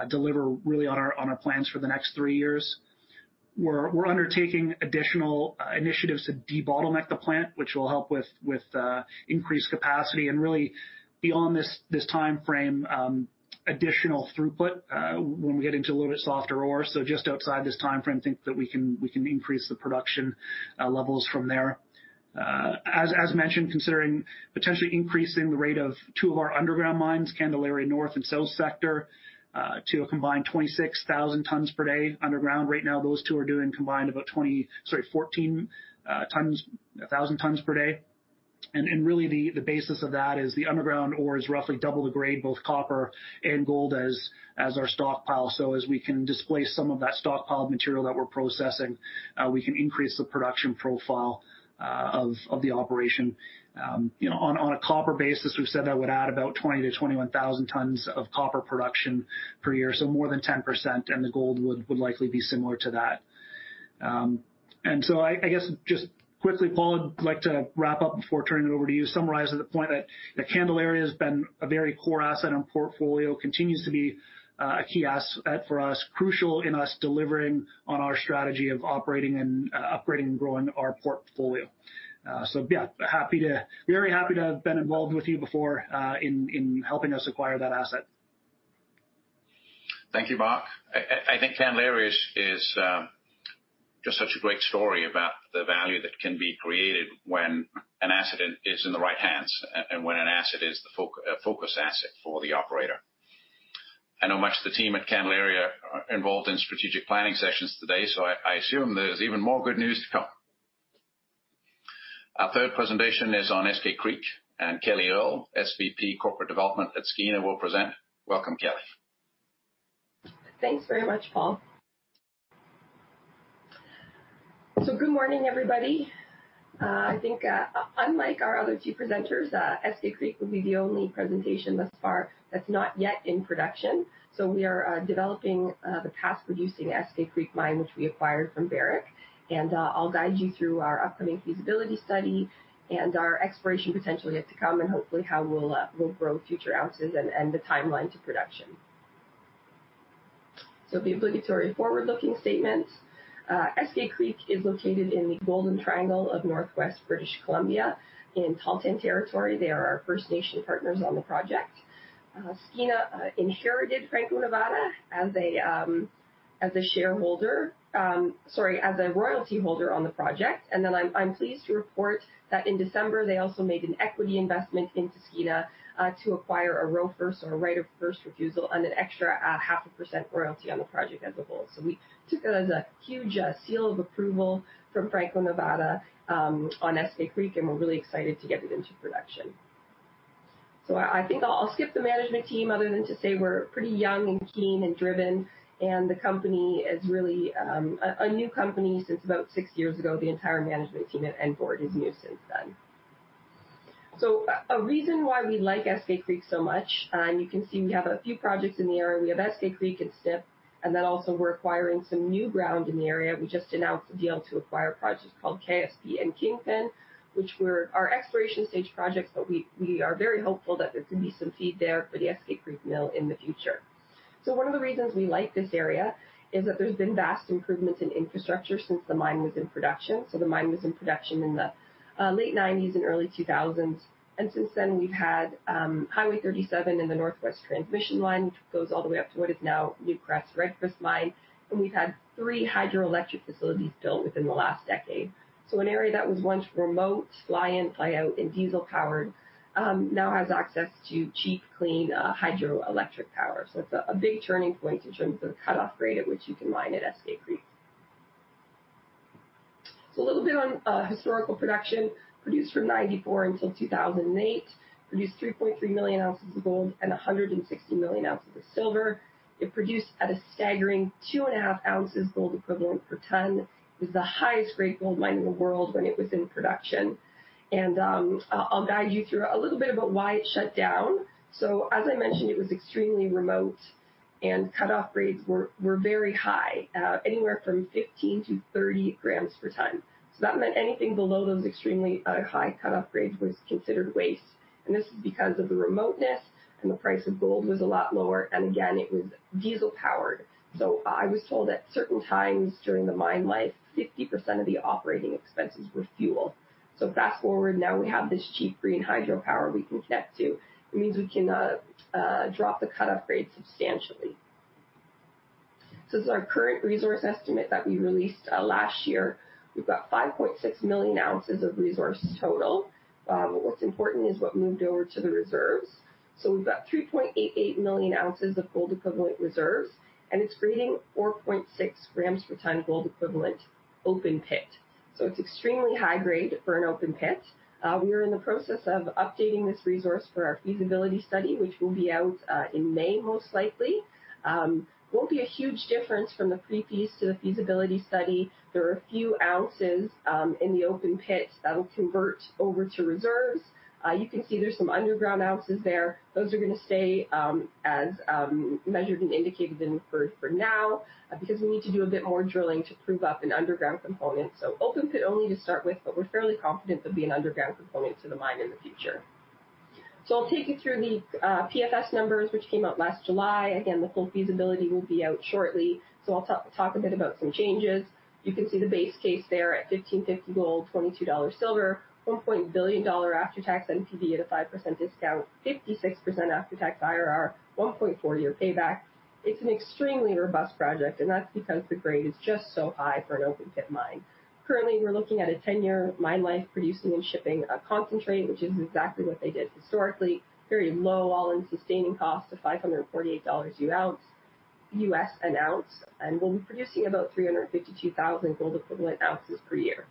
deliver really on our plans for the next three years. We're undertaking additional initiatives to debottleneck the plant, which will help with increased capacity and really beyond this timeframe, additional throughput when we get into a little bit softer ore. Just outside this timeframe, think that we can increase the production levels from there. As mentioned, considering potentially increasing the rate of two of our underground mines, Candelaria North and South sectors, to a combined 26,000 tons per day underground. Right now, those two are doing combined about 14,000 tons per day. Really the basis of that is the underground ore is roughly double the grade, both copper and gold as our stockpile. As we can displace some of that stockpiled material that we're processing, we can increase the production profile of the operation. You know, on a copper basis, we've said that would add about 20,000-21,000 tons of copper production per year, so more than 10%, and the gold would likely be similar to that. I guess just quickly, Paul, I'd like to wrap up before turning it over to you. Summarize the point that Candelaria has been a very core asset and portfolio, continues to be a key asset for us, crucial in us delivering on our strategy of operating and upgrading and growing our portfolio. Very happy to have been involved with you before, in helping us acquire that asset. Thank you, Mark. I think Candelaria is just such a great story about the value that can be created when an asset is in the right hands and when an asset is a focus asset for the operator. I know much of the team at Candelaria are involved in strategic planning sessions today, so I assume there's even more good news to come. Our third presentation is on Eskay Creek, and Kelly Earle, SVP Corporate Development at Skeena, will present. Welcome, Kelly. Thanks very much, Paul. Good morning, everybody. I think unlike our other two presenters, Eskay Creek will be the only presentation thus far that's not yet in production. We are developing the past producing Eskay Creek mine, which we acquired from Barrick. I'll guide you through our upcoming feasibility study and our exploration potential yet to come, and hopefully how we'll grow future ounces and the timeline to production. The obligatory forward-looking statement. Eskay Creek is located in the Golden Triangle of northwest British Columbia in Tahltan territory. They are our First Nation partners on the project. Skeena inherited Franco-Nevada as a shareholder. Sorry, as a royalty holder on the project. I'm pleased to report that in December, they also made an equity investment into Skeena to acquire a ROFR, so a right of first refusal, on an extra half a percent royalty on the project as a whole. We took that as a huge seal of approval from Franco-Nevada on Eskay Creek, and we're really excited to get it into production. I think I'll skip the management team other than to say we're pretty young and keen and driven, and the company is really a new company. Since about six years ago, the entire management team at N4 is new since then. A reason why we like Eskay Creek so much, and you can see we have a few projects in the area. We have Eskay Creek and Snip, and then also we're acquiring some new ground in the area. We just announced a deal to acquire a project called KSP and Kingpin, which were our exploration stage projects, but we are very hopeful that there's gonna be some feed there for the Eskay Creek mill in the future. One of the reasons we like this area is that there's been vast improvements in infrastructure since the mine was in production. The mine was in production in the late 1990s and early 2000s. Since then, we've had Highway 37 and the Northwest Transmission Line, which goes all the way up to what is now Newcrest Red Chris mine. We've had three hydroelectric facilities built within the last decade. An area that was once remote, fly in, fly out and diesel-powered, now has access to cheap, clean, hydroelectric power. It's a big turning point in terms of the cutoff grade at which you can mine at Eskay Creek. A little bit on historical production. Produced from 1994 until 2008, produced 3.3 million ounces of gold and 160 million ounces of silver. It produced at a staggering 2.5 ounces gold equivalent per ton. It was the highest grade gold mine in the world when it was in production. I'll guide you through a little bit about why it shut down. As I mentioned, it was extremely remote and cutoff grades were very high, anywhere from 15 grams-30 grams per ton. That meant anything below those extremely high cutoff grades was considered waste. This is because of the remoteness, and the price of gold was a lot lower. Again, it was diesel-powered. I was told at certain times during the mine life, 50% of the operating expenses were fuel. Fast-forward, now we have this cheap green hydropower we can connect to. It means we can drop the cutoff grade substantially. This is our current resource estimate that we released last year. We've got 5.6 million ounces of resource total. But what's important is what moved over to the reserves. We've got 3.88 million ounces of gold equivalent reserves, and it's grading 4.6 grams per ton gold equivalent open pit. It's extremely high grade for an open pit. We are in the process of updating this resource for our feasibility study, which will be out in May, most likely. Won't be a huge difference from the pre-feas to the feasibility study. There are a few ounces in the open pit that'll convert over to reserves. You can see there's some underground ounces there. Those are gonna stay as measured and indicated and inferred for now because we need to do a bit more drilling to prove up an underground component. Open pit only to start with, but we're fairly confident there'll be an underground component to the mine in the future. I'll take you through the PFS numbers, which came out last July. Again, the full feasibility will be out shortly. I'll talk a bit about some changes. You can see the base case there at $1,550 gold, $22 silver, $1 billion after-tax NPV at a 5% discount, 56% after-tax IRR, 1.4-year payback. It's an extremely robust project, and that's because the grade is just so high for an open pit mine. Currently, we're looking at a 10-year mine life producing and shipping concentrate, which is exactly what they did historically. Very low all-in sustaining cost of $548 U.S. an ounce. We'll be producing about 352,000 gold equivalent ounces per year.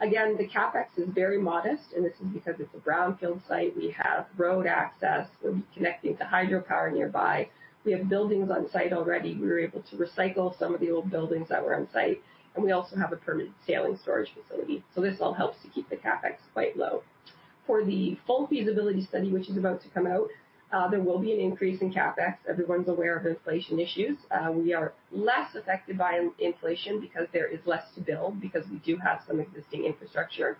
Again, the CapEx is very modest, and this is because it's a brownfield site. We have road access. We'll be connecting to hydropower nearby. We have buildings on site already. We were able to recycle some of the old buildings that were on site. We also have a permanent tailings storage facility. This all helps to keep the CapEx quite low. For the full feasibility study, which is about to come out, there will be an increase in CapEx. Everyone's aware of inflation issues. We are less affected by inflation because there is less to build because we do have some existing infrastructure.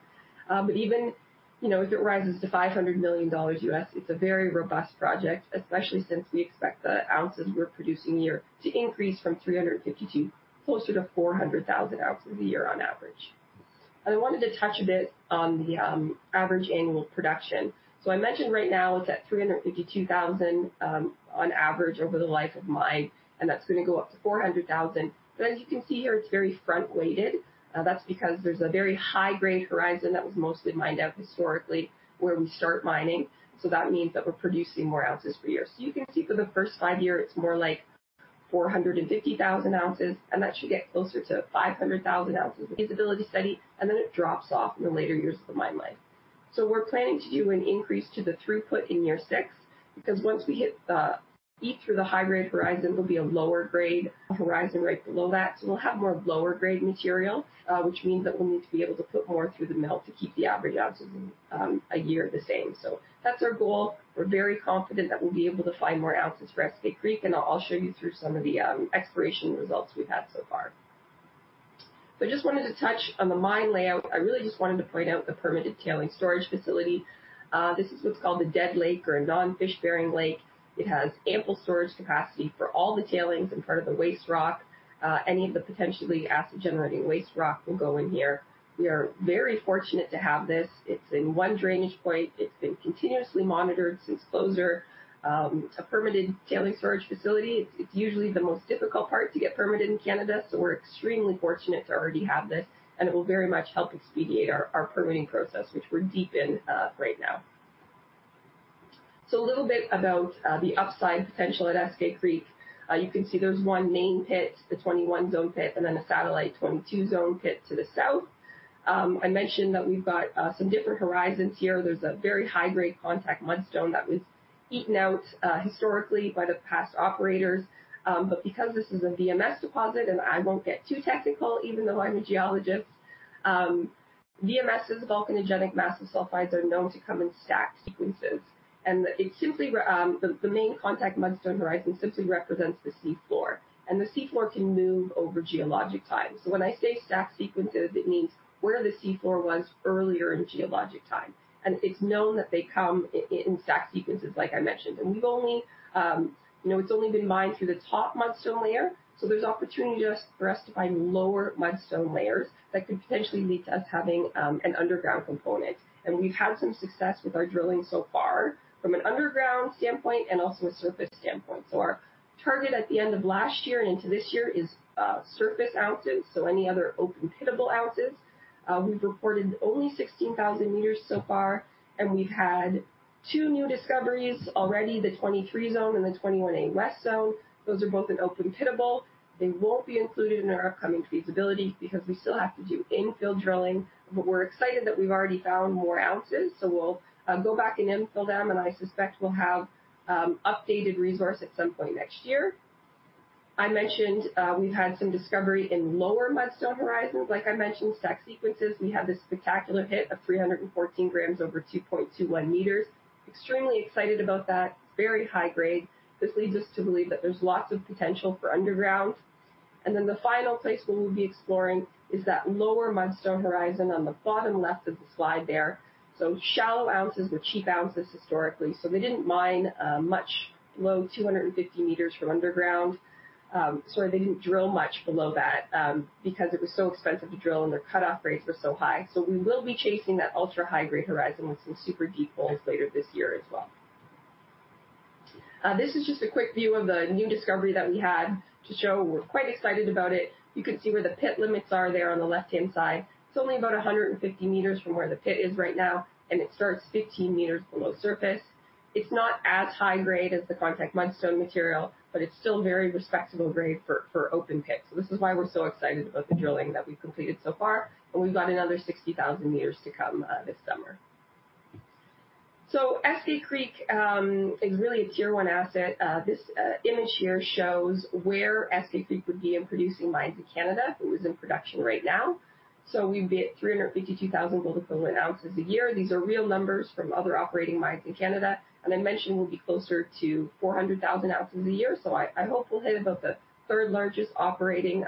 But even, you know, if it rises to $500 million, it's a very robust project, especially since we expect the ounces we're producing a year to increase from 350 to closer to 400,000 ounces a year on average. I wanted to touch a bit on the average annual production. I mentioned right now it's at 352,000 on average over the life of mine, and that's gonna go up to 400,000. As you can see here, it's very front-weighted. That's because there's a very high-grade horizon that was mostly mined out historically where we start mining. That means that we're producing more ounces per year. You can see for the first five years it's more like 450,000 ounces, and that should get closer to 500,000 ounces in the feasibility study, and then it drops off in the later years of the mine life. We're planning to do an increase to the throughput in year 6, because once we hit the peak through the high-grade horizon, there'll be a lower-grade horizon right below that. We'll have more lower-grade material, which means that we'll need to be able to put more through the mill to keep the average ounces a year the same. That's our goal. We're very confident that we'll be able to find more ounces for Eskay Creek, and I'll show you through some of the exploration results we've had so far. I just wanted to touch on the mine layout. I really just wanted to point out the permitted tailings storage facility. This is what's called a dead lake or a non-fish-bearing lake. It has ample storage capacity for all the tailings and part of the waste rock. Any of the potentially acid generating waste rock will go in here. We are very fortunate to have this. It's in one drainage point. It's been continuously monitored since closure. It's a permitted tailings storage facility It's usually the most difficult part to get permitted in Canada, so we're extremely fortunate to already have this and it will very much help expedite our permitting process, which we're deep in right now. A little bit about the upside potential at Eskay Creek. You can see there's one main pit, the 21 zone pit, and then a satellite 22 zone pit to the south. I mentioned that we've got some different horizons here. There's a very high-grade contact mudstone that was eaten out historically by the past operators. Because this is a VMS deposit, and I won't get too technical, even though I'm a geologist, VMS is a volcanogenic massive sulfide that is known to come in stacked sequences. It's simply the main contact mudstone horizon simply represents the sea floor, and the sea floor can move over geologic time. When I say stacked sequences, it means where the sea floor was earlier in geologic time. It's known that they come in stacked sequences, like I mentioned. We've only, you know, it's only been mined through the top mudstone layer. There's opportunity just for us to find lower mudstone layers that could potentially lead to us having an underground component. We've had some success with our drilling so far from an underground standpoint and also a surface standpoint. Our target at the end of last year and into this year is surface ounces, so any other open pittable ounces. We've reported only 16,000 meters so far, and we've had two new discoveries already, the 23 zone and the 21 A West zone. Those are both in open pittable. They won't be included in our upcoming feasibility because we still have to do infill drilling. We're excited that we've already found more ounces, so we'll go back and infill them, and I suspect we'll have updated resource at some point next year. I mentioned, we've had some discovery in lower mudstone horizons. Like I mentioned, stacked sequences. We have this spectacular intercept of 314 grams over 2.21 meters. Extremely excited about that. It's very high grade. This leads us to believe that there's lots of potential for underground. Then the final place where we'll be exploring is that lower mudstone horizon on the bottom left of the slide there. Shallow ounces were cheap ounces historically. They didn't mine much below 250 meters from underground. Sorry, they didn't drill much below that because it was so expensive to drill and their cutoff grades were so high. We will be chasing that ultra-high-grade horizon with some super deep holes later this year as well. This is just a quick view of the new discovery that we had to show. We're quite excited about it. You can see where the pit limits are there on the left-hand side. It's only about 150 meters from where the pit is right now, and it starts 15 meters below surface. It's not as high grade as the contact mudstone material, but it's still very respectable grade for open pit. This is why we're so excited about the drilling that we've completed so far, and we've got another 60,000 meters to come this summer. Eskay Creek is really a tier one asset. This image here shows where Eskay Creek would be in producing mines in Canada if it was in production right now. We'd be at 352,000 gold equivalent ounces a year. These are real numbers from other operating mines in Canada. I mentioned we'll be closer to 400,000 ounces a year. I hope we'll hit about the third largest operating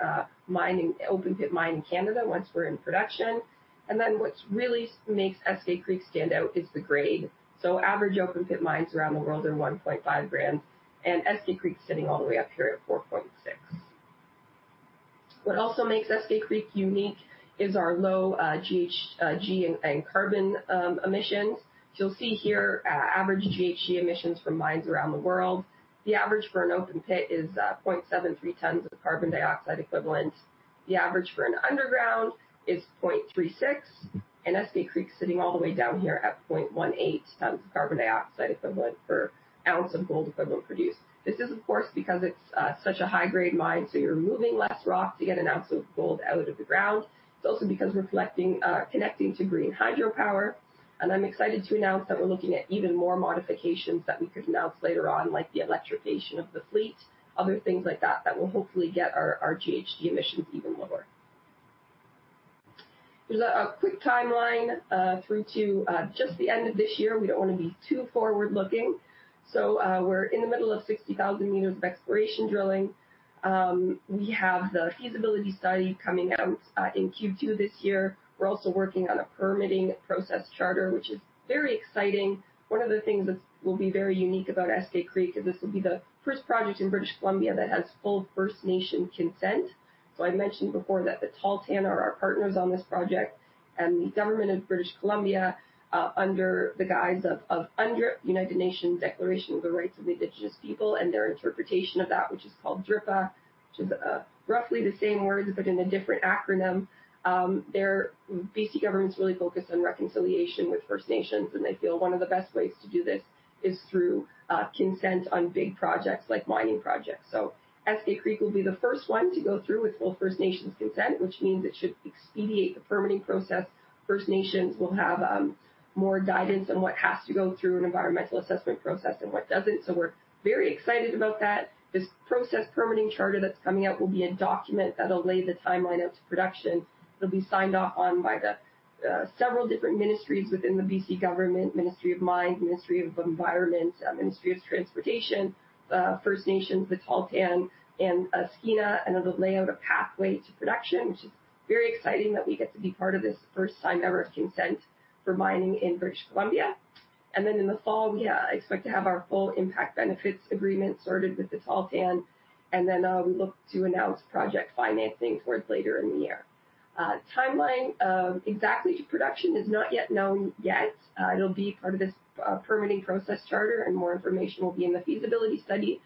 open-pit mine in Canada once we're in production. What's really makes Eskay Creek stand out is the grade. Average open pit mines around the world are 1.5 grams, and Eskay Creek's sitting all the way up here at 4.6. What also makes Eskay Creek unique is our low GHG and carbon emissions. You'll see here, average GHG emissions from mines around the world. The average for an open pit is 0.73 tons of carbon dioxide equivalent. The average for an underground is 0.36. Eskay Creek's sitting all the way down here at 0.18 tons of carbon dioxide equivalent per ounce of Gold Equivalent produced. This is of course because it's such a high grade mine, so you're moving less rock to get an ounce of gold out of the ground. It's also because we're reflecting, connecting to green hydropower. I'm excited to announce that we're looking at even more modifications that we could announce later on, like the electrification of the fleet, other things like that that will hopefully get our GHG emissions even lower. There's a quick timeline through to just the end of this year. We don't wanna be too forward-looking. We're in the middle of 60,000 meters of exploration drilling. We have the feasibility study coming out in Q2 this year. We're also working on a permitting process charter, which is very exciting. One of the things that will be very unique about Eskay Creek is this will be the first project in British Columbia that has full First Nation consent. I mentioned before that the Tahltan are our partners on this project, and the government of British Columbia under the guise of UNDRIP, United Nations Declaration of the Rights of Indigenous People, and their interpretation of that, which is called DRIPA, which is roughly the same words but in a different acronym. BC government's really focused on reconciliation with First Nations, and they feel one of the best ways to do this is through consent on big projects like mining projects. Eskay Creek will be the first one to go through with full First Nations consent, which means it should expedite the permitting process. First Nations will have more guidance on what has to go through an environmental assessment process and what doesn't, so we're very excited about that. This process permitting charter that's coming out will be a document that'll lay the timeline out to production. It'll be signed off on by the several different ministries within the BC government, Ministry of Mining, Ministry of Environment, Ministry of Transportation, First Nations, the Tahltan Nation, and Skeena Resources, and it'll lay out a pathway to production, which is very exciting that we get to be part of this first-time ever consent for mining in British Columbia. Then in the fall, we expect to have our full impact benefits agreement sorted with the Tahltan Nation, and then we look to announce project financing towards later in the year. Timeline of exactly to production is not yet known. It'll be part of this permitting process charter, and more information will be in the feasibility study.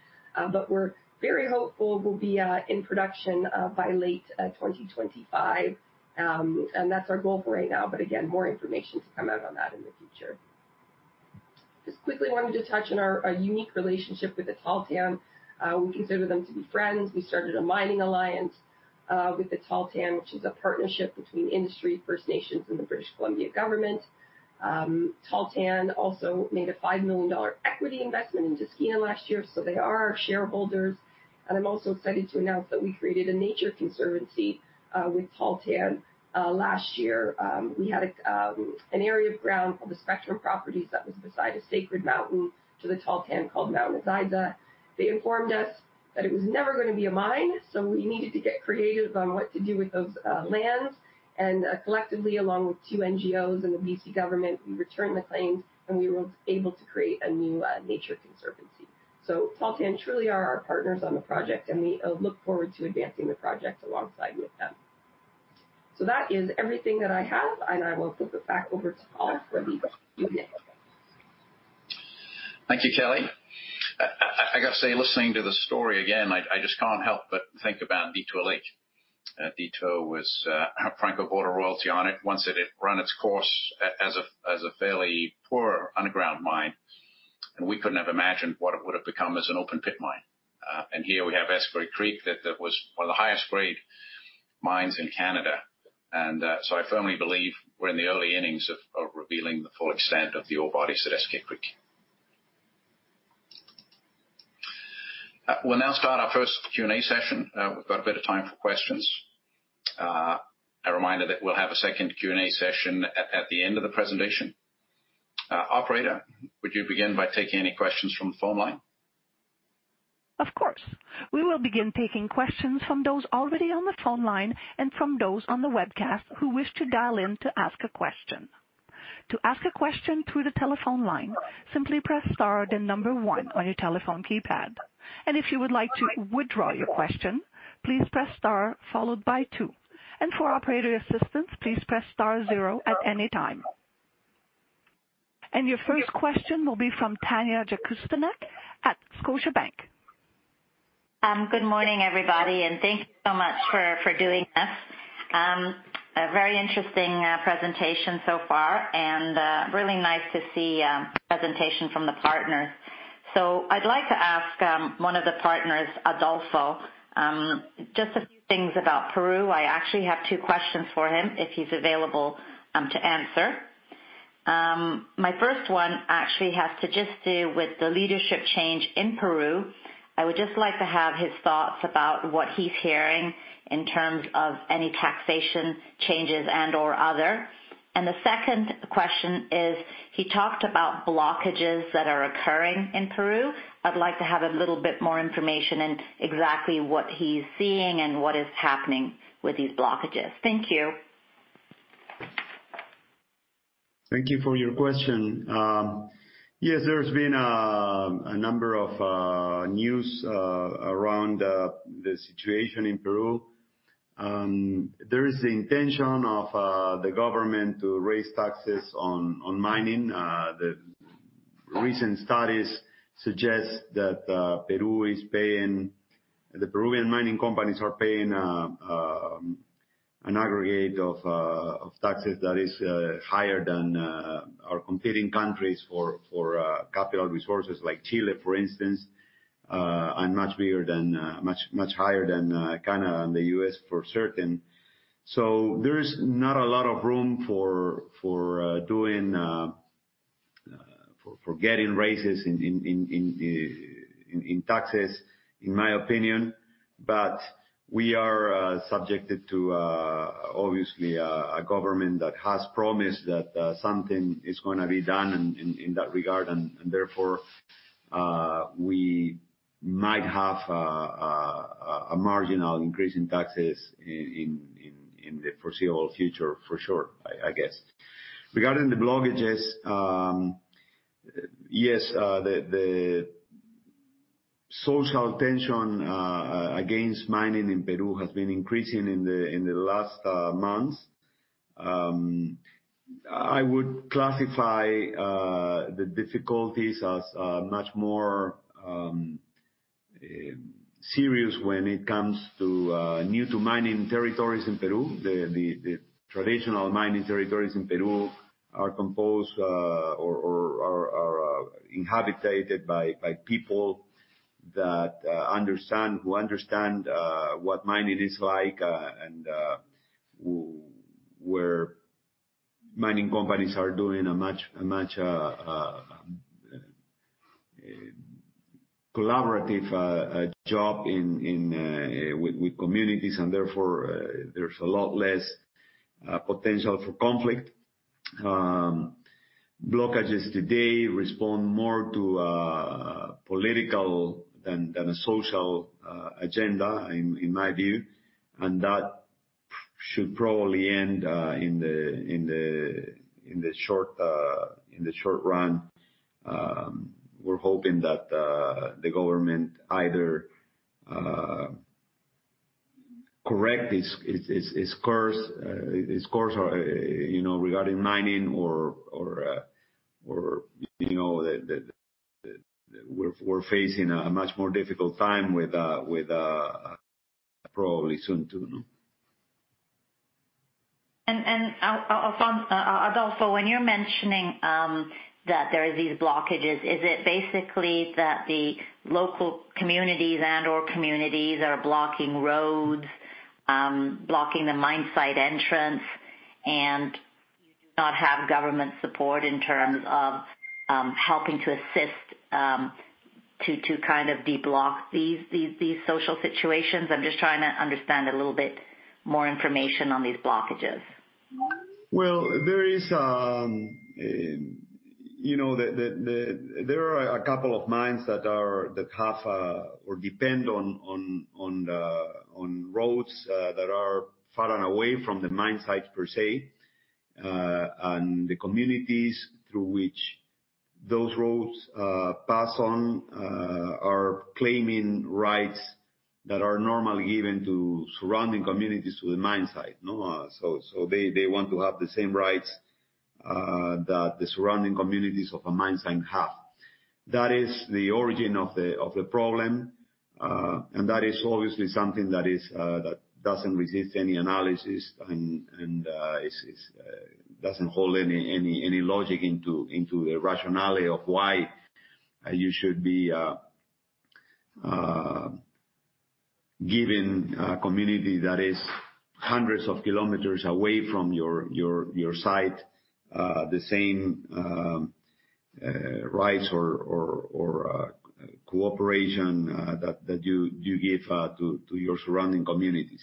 We're very hopeful we'll be in production by late 2025. That's our goal for right now, but again, more information to come out on that in the future. Just quickly wanted to touch on our unique relationship with the Tahltan. We consider them to be friends. We started a mining alliance with the Tahltan, which is a partnership between industry, First Nations, and the British Columbia government. Tahltan also made a $5 million equity investment into Skeena last year, so they are our shareholders. I'm also excited to announce that we created a nature conservancy with Tahltan last year. We had an area of ground called the Spectrum Properties that was beside a sacred mountain to the Tahltan called Mount Edziza. They informed us that it was never gonna be a mine, so we needed to get creative on what to do with those lands. Collectively, along with two NGOs and the BC government, we returned the claims, and we were able to create a new nature conservancy. Tahltan truly are our partners on the project, and we look forward to advancing the project alongside with them. That is everything that I have, and I will flip it back over to Paul for any Q&A. Thank you, Kelly. I gotta say, listening to the story again, I just can't help but think about Detour Lake. Detour was how Franco bought a royalty on it once it had run its course as a fairly poor underground mine. We couldn't have imagined what it would have become as an open pit mine. Here we have Eskay Creek that was one of the highest grade mines in Canada. I firmly believe we're in the early innings of revealing the full extent of the ore bodies at Eskay Creek. We'll now start our first Q&A session. We've got a bit of time for questions. A reminder that we'll have a second Q&A session at the end of the presentation. Operator, would you begin by taking any questions from the phone line? Of course. We will begin taking questions from those already on the phone line and from those on the webcast who wish to dial in to ask a question. To ask a question through the telephone line, simply press star then number one on your telephone keypad. If you would like to withdraw your question, please press star followed by two. For operator assistance, please press star zero at any time. Your first question will be from Tanya Jakusconek at Scotiabank. Good morning, everybody, and thank you so much for doing this. A very interesting presentation so far and really nice to see presentation from the partners. I'd like to ask one of the partners, Adolfo, just a few things about Peru. I actually have two questions for him if he's available to answer. My first one actually has to just do with the leadership change in Peru. I would just like to have his thoughts about what he's hearing in terms of any taxation changes and or other. The second question is, he talked about blockages that are occurring in Peru. I'd like to have a little bit more information in exactly what he's seeing and what is happening with these blockages. Thank you. Thank you for your question. Yes, there's been a number of news around the situation in Peru. There is the intention of the government to raise taxes on mining. The recent studies suggest that Peru is paying. The Peruvian mining companies are paying an aggregate of taxes that is higher than our competing countries for capital resources like Chile, for instance, and much higher than Canada and the U.S. for certain. There is not a lot of room for getting raises in taxes, in my opinion. We are subjected to obviously a government that has promised that something is gonna be done in that regard. Therefore, we might have a marginal increase in taxes in the foreseeable future for sure, I guess. Regarding the blockages, yes, the social tension against mining in Peru has been increasing in the last months. I would classify the difficulties as much more serious when it comes to new to mining territories in Peru. The traditional mining territories in Peru are inhabited by people who understand what mining is like and where mining companies are doing a much collaborative job with communities. Therefore, there's a lot less potential for conflict. Blockages today respond more to political than a social agenda in my view. That should probably end in the short run. We're hoping that the government either correct its course, you know, regarding mining or, you know, that we're facing a much more difficult time with probably soon too, no. Adolfo, when you're mentioning that there are these blockages, is it basically that the local communities and/or communities are blocking roads, blocking the mine site entrance, and you do not have government support in terms of helping to assist to kind of deblock these social situations? I'm just trying to understand a little bit more information on these blockages. Well, you know, there are a couple of mines that have or depend on roads that are far and away from the mine sites per se. The communities through which those roads pass are claiming rights that are normally given to surrounding communities with mine site, no? They want to have the same rights that the surrounding communities of a mine site have. That is the origin of the problem. That is obviously something that doesn't resist any analysis and doesn't hold any logic into a rationale of why you should be giving a community that is hundreds of kilometers away from your site the same rights or cooperation that you give to your surrounding communities.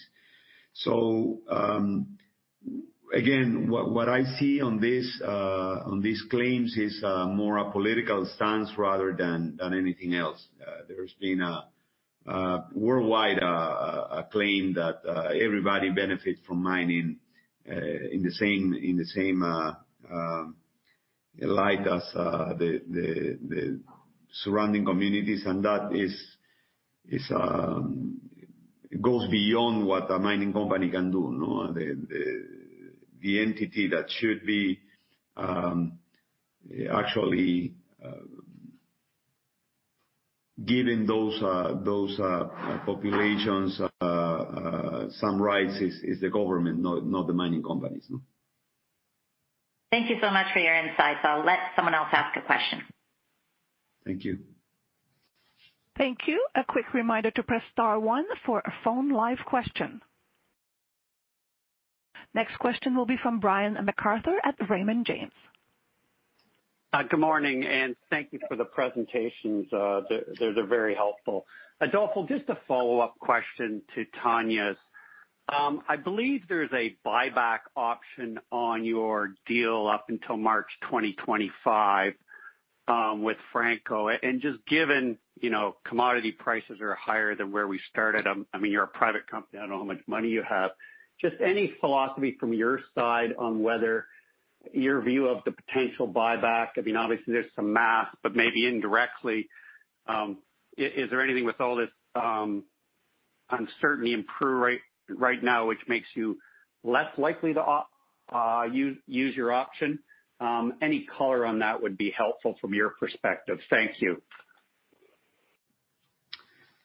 Again, what I see on these claims is more a political stance rather than anything else. There's been a worldwide claim that everybody benefits from mining in the same light as the surrounding communities. That goes beyond what a mining company can do, no? The entity that should be actually giving those populations some rights is the government, not the mining companies, no? Thank you so much for your insights. I'll let someone else ask a question. Thank you. Thank you. A quick reminder to press star one for a phone live question. Next question will be from Brian MacArthur at Raymond James. Good morning, and thank you for the presentations. They're very helpful. Adolfo, just a follow-up question to Tanya's. I believe there's a buyback option on your deal up until March 2025, with Franco. Just given, you know, commodity prices are higher than where we started. I mean, you're a private company. I don't know how much money you have. Just any philosophy from your side on whether your view of the potential buyback. I mean, obviously there's some math, but maybe indirectly, is there anything with all this uncertainty in Peru right now which makes you less likely to use your option? Any color on that would be helpful from your perspective. Thank you.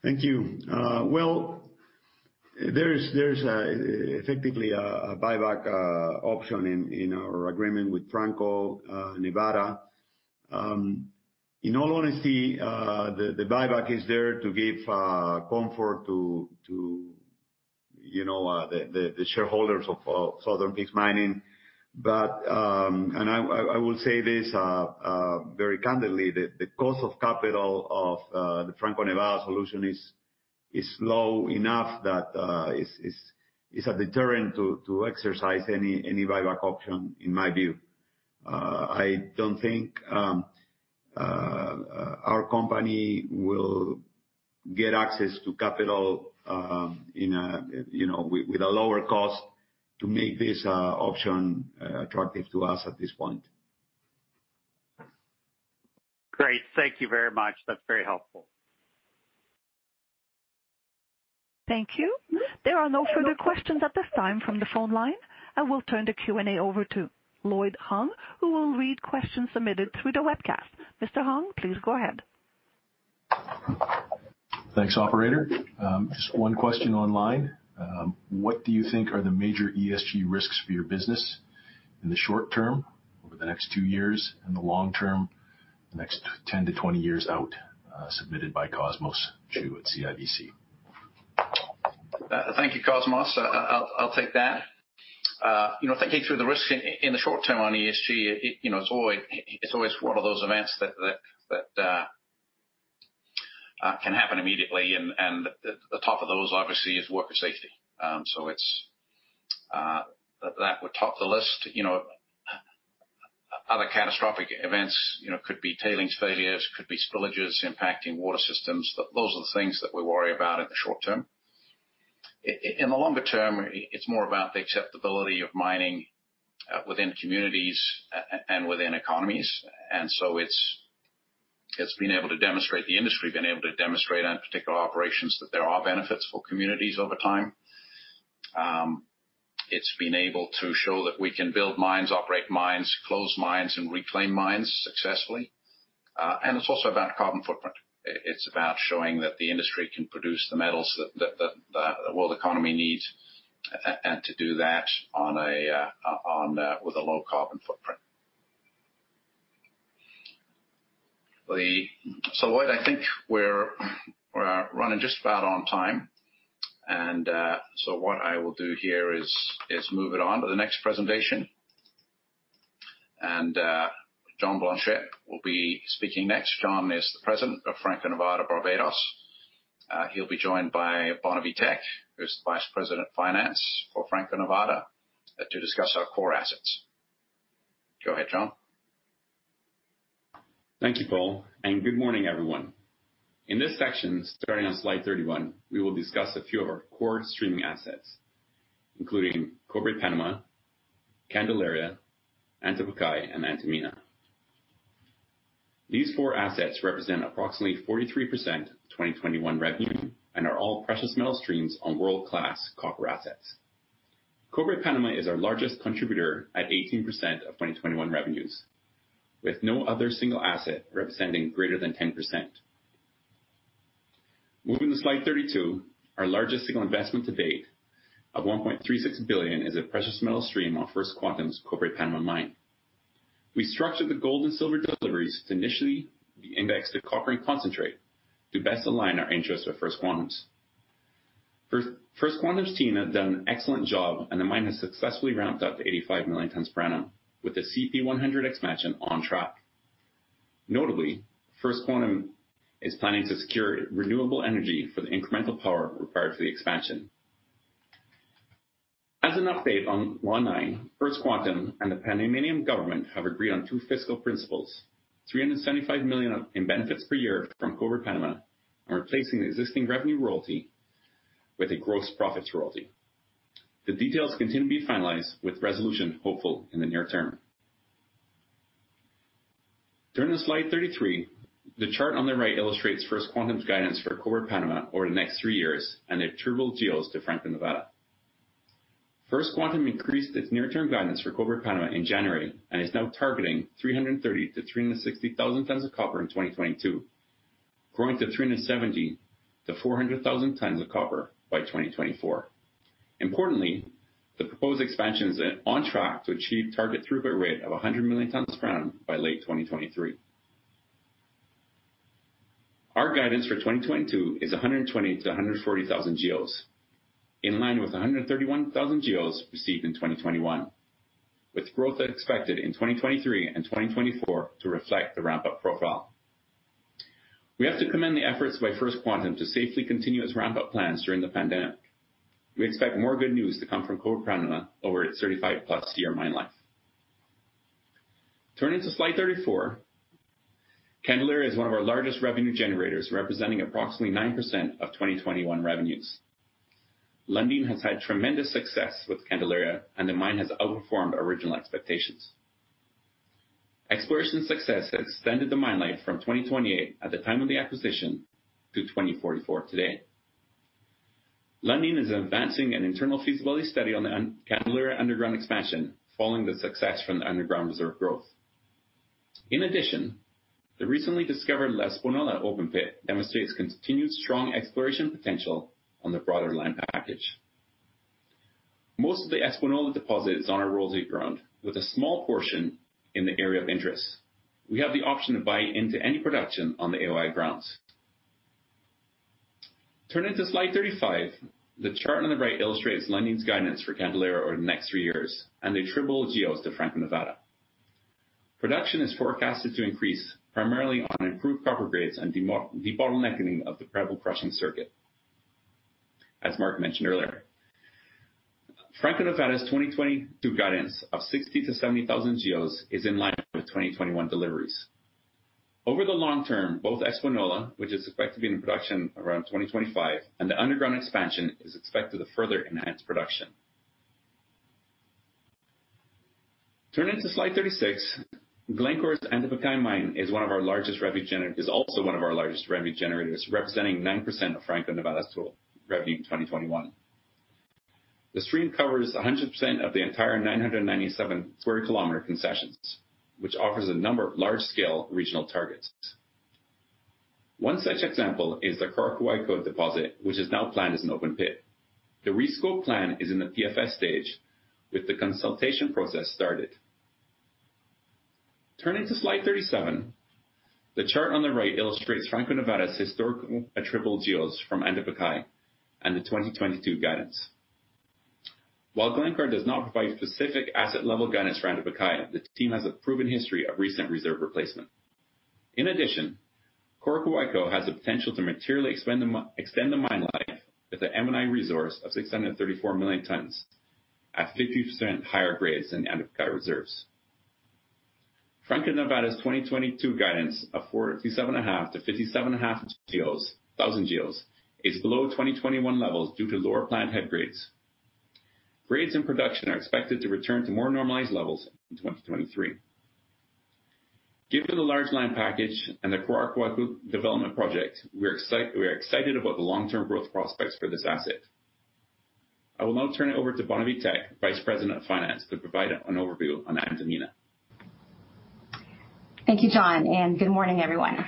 Thank you. Well, there is effectively a buyback option in our agreement with Franco-Nevada. In all honesty, the buyback is there to give comfort to you know the shareholders of Southern Peaks Mining. I will say this very candidly, the cost of capital of the Franco-Nevada solution is low enough that it's a deterrent to exercise any buyback option, in my view. I don't think our company will get access to capital in a you know with a lower cost to make this option attractive to us at this point. Great. Thank you very much. That's very helpful. Thank you. There are no further questions at this time from the phone line. I will turn the Q&A over to Lloyd Hong, who will read questions submitted through the webcast. Mr. Hong, please go ahead. Thanks, operator. Just one question online. What do you think are the major ESG risks for your business in the short term, over the next two years, and the long term, the next 10-20 years out? Submitted by Cosmos Chiu at CIBC. Thank you, Cosmos. I'll take that. You know, thinking through the risk in the short term on ESG, you know, it's always one of those events that can happen immediately. The top of those, obviously, is worker safety. That would top the list. You know, other catastrophic events, you know, could be tailings failures, could be spillages impacting water systems. Those are the things that we worry about in the short term. In the longer term, it's more about the acceptability of mining within communities and within economies. The industry has been able to demonstrate on particular operations that there are benefits for communities over time. It's been able to show that we can build mines, operate mines, close mines, and reclaim mines successfully. It's also about carbon footprint. It's about showing that the industry can produce the metals that the world economy needs, and to do that with a low carbon footprint. Lloyd, I think we're running just about on time. What I will do here is move it on to the next presentation. John Blanchette will be speaking next. John is the President of Franco-Nevada Barbados. He'll be joined by Bonavie Tek, who's the Vice President of Finance for Franco-Nevada, to discuss our core assets. Go ahead, John. Thank you, Paul, and good morning, everyone. In this section, starting on slide 31, we will discuss a few of our core streaming assets, including Cobre Panama, Candelaria, Antamina, and Antamina. These four assets represent approximately 43% of 2021 revenue and are all precious metal streams on world-class copper assets. Cobre Panama is our largest contributor at 18% of 2021 revenues, with no other single asset representing greater than 10%. Moving to slide 32, our largest single investment to date of $1.36 billion is a precious metal stream on First Quantum's Cobre Panama mine. We structured the gold and silver deliveries to initially be indexed to copper and concentrate to best align our interests with First Quantum's. First Quantum's team have done an excellent job, and the mine has successfully ramped up to 85 million tons per annum, with the CP100 expansion on track. Notably, First Quantum is planning to secure renewable energy for the incremental power required for the expansion. As an update on Law 9, First Quantum and the Panamanian government have agreed on two fiscal principles, $375 million in benefits per year from Cobre Panama, and replacing the existing revenue royalty with a gross profits royalty. The details continue to be finalized with resolution hopeful in the near term. Turning to slide 33, the chart on the right illustrates First Quantum's guidance for Cobre Panama over the next three years and their attributable GEOs to Franco-Nevada. First Quantum Minerals increased its near-term guidance for Cobre Panama in January and is now targeting 330,000-360,000 tons of copper in 2022, growing to 370,000-400,000 tons of copper by 2024. Importantly, the proposed expansion is on track to achieve target throughput rate of 100 million tons per annum by late 2023. Our guidance for 2022 is 120,000-140,000 GEOs, in line with the 131,000 GEOs received in 2021, with growth expected in 2023 and 2024 to reflect the ramp-up profile. We have to commend the efforts by First Quantum Minerals to safely continue its ramp-up plans during the pandemic. We expect more good news to come from Cobre Panama over its 35+ year mine life. Turning to slide 34. Candelaria is one of our largest revenue generators, representing approximately 9% of 2021 revenues. Lundin has had tremendous success with Candelaria, and the mine has outperformed original expectations. Exploration success has extended the mine life from 2028 at the time of the acquisition to 2044 today. Lundin is advancing an internal feasibility study on the Candelaria underground expansion following the success from the underground reserve growth. In addition, the recently discovered La Espuela open pit demonstrates continued strong exploration potential on the broader land package. Most of the Espuela deposit is on our royalty ground with a small portion in the area of interest. We have the option to buy into any production on the AOI grounds. Turning to slide 35, the chart on the right illustrates Lundin's guidance for Candelaria over the next three years and the triple GEOs to Franco-Nevada. Production is forecasted to increase primarily on improved copper grades and de-bottlenecking of the primary crushing circuit, as Mark mentioned earlier. Franco-Nevada's 2022 guidance of 60,000-70,000 GEOs is in line with 2021 deliveries. Over the long term, both El Espino, which is expected to be in production around 2025, and the underground expansion is expected to further enhance production. Turning to slide 36, Glencore's Antapaccay mine is one of our largest revenue generators, representing 9% of Franco-Nevada's total revenue in 2021. The stream covers 100% of the entire 997 sq km concessions, which offers a number of large scale regional targets. One such example is the Coroccohuayco deposit, which is now planned as an open pit. The rescope plan is in the PFS stage with the consultation process started. Turning to slide 37, the chart on the right illustrates Franco-Nevada's historical attributable GEOs from Antapaccay and the 2022 guidance. While Glencore does not provide specific asset level guidance for Antapaccay, the team has a proven history of recent reserve replacement. In addition, Coroccohuayco has the potential to materially extend the mine life with an M&I resource of 634 million tons at 50% higher grades than Antapaccay reserves. Franco-Nevada's 2022 guidance of 47.5-57.5 thousand GEOs is below 2021 levels due to lower plant head grades. Grades in production are expected to return to more normalized levels in 2023. Given the large land package and the Coroccohuayco development project, we are excited about the long-term growth prospects for this asset. I will now turn it over to Bonavie Tek, Vice President of Finance, to provide an overview on Antamina. Thank you, John, and good morning, everyone.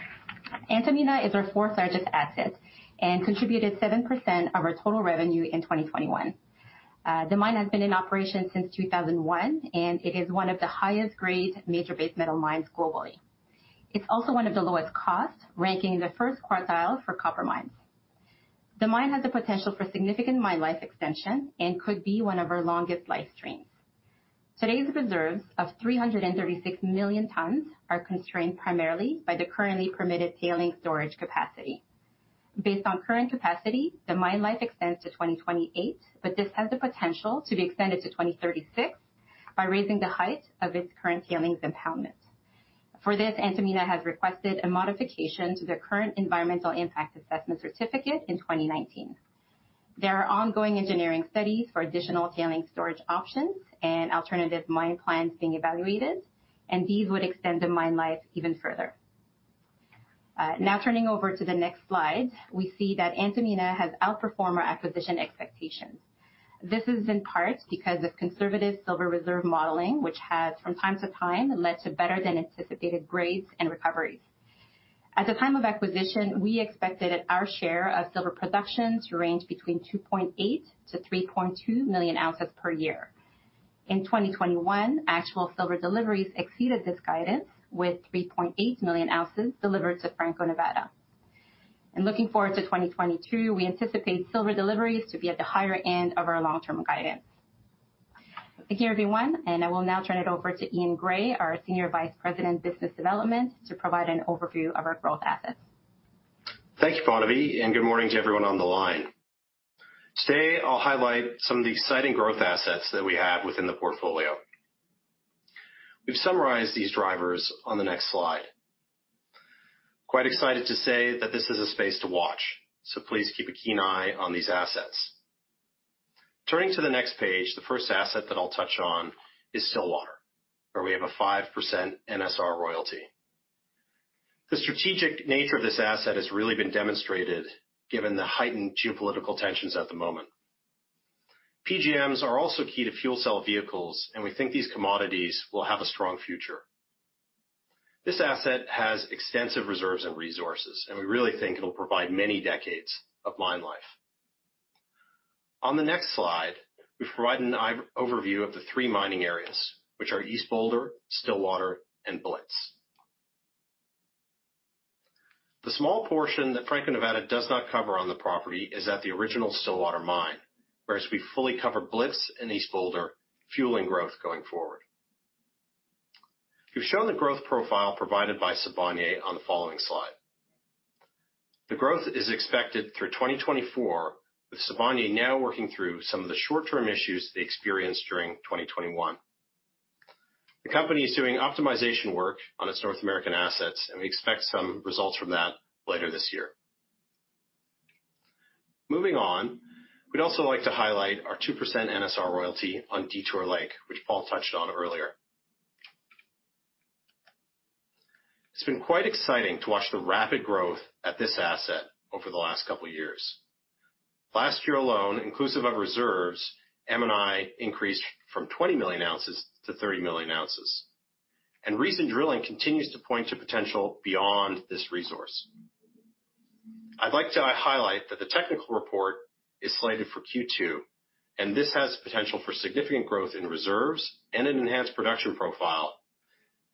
Antamina is our fourth-largest asset and contributed 7% of our total revenue in 2021. The mine has been in operation since 2001, and it is one of the highest grade major base metal mines globally. It's also one of the lowest cost, ranking in the first quartile for copper mines. The mine has the potential for significant mine life extension and could be one of our longest life streams. Today's reserves of 336 million tons are constrained primarily by the currently permitted tailings storage capacity. Based on current capacity, the mine life extends to 2028, but this has the potential to be extended to 2036 by raising the height of its current tailings impoundment. For this, Antamina has requested a modification to the current environmental impact assessment certificate in 2019. There are ongoing engineering studies for additional tailing storage options and alternative mine plans being evaluated, and these would extend the mine life even further. Now turning over to the next slide, we see that Antamina has outperformed our acquisition expectations. This is in part because of conservative silver reserve modeling, which has, from time to time, led to better than anticipated grades and recoveries. At the time of acquisition, we expected our share of silver production to range between 2.8 million-3.2 million ounces per year. In 2021, actual silver deliveries exceeded this guidance with 3.8 million ounces delivered to Franco-Nevada. Looking forward to 2022, we anticipate silver deliveries to be at the higher end of our long-term guidance. Thank you, everyone, and I will now turn it over to Eaun Gray, our Senior Vice President, Business Development, to provide an overview of our growth assets. Thank you, Bonavie, and good morning to everyone on the line. Today, I'll highlight some of the exciting growth assets that we have within the portfolio. We've summarized these drivers on the next slide. Quite excited to say that this is a space to watch, so please keep a keen eye on these assets. Turning to the next page, the first asset that I'll touch on is Stillwater, where we have a 5% NSR royalty. The strategic nature of this asset has really been demonstrated given the heightened geopolitical tensions at the moment. PGMs are also key to fuel cell vehicles, and we think these commodities will have a strong future. This asset has extensive reserves and resources, and we really think it'll provide many decades of mine life. On the next slide, we provide an overview of the three mining areas, which are East Boulder, Stillwater, and Blitz. The small portion that Franco-Nevada does not cover on the property is at the original Stillwater mine, whereas we fully cover Blitz and East Boulder, fueling growth going forward. We've shown the growth profile provided by Sabodala on the following slide. The growth is expected through 2024, with Sabodala now working through some of the short-term issues they experienced during 2021. The company is doing optimization work on its North American assets, and we expect some results from that later this year. Moving on, we'd also like to highlight our 2% NSR royalty on Detour Lake, which Paul touched on earlier. It's been quite exciting to watch the rapid growth at this asset over the last couple years. Last year alone, inclusive of reserves, M&A increased from 20 million ounces to 30 million ounces. Recent drilling continues to point to potential beyond this resource. I'd like to highlight that the technical report is slated for Q2, and this has potential for significant growth in reserves and an enhanced production profile,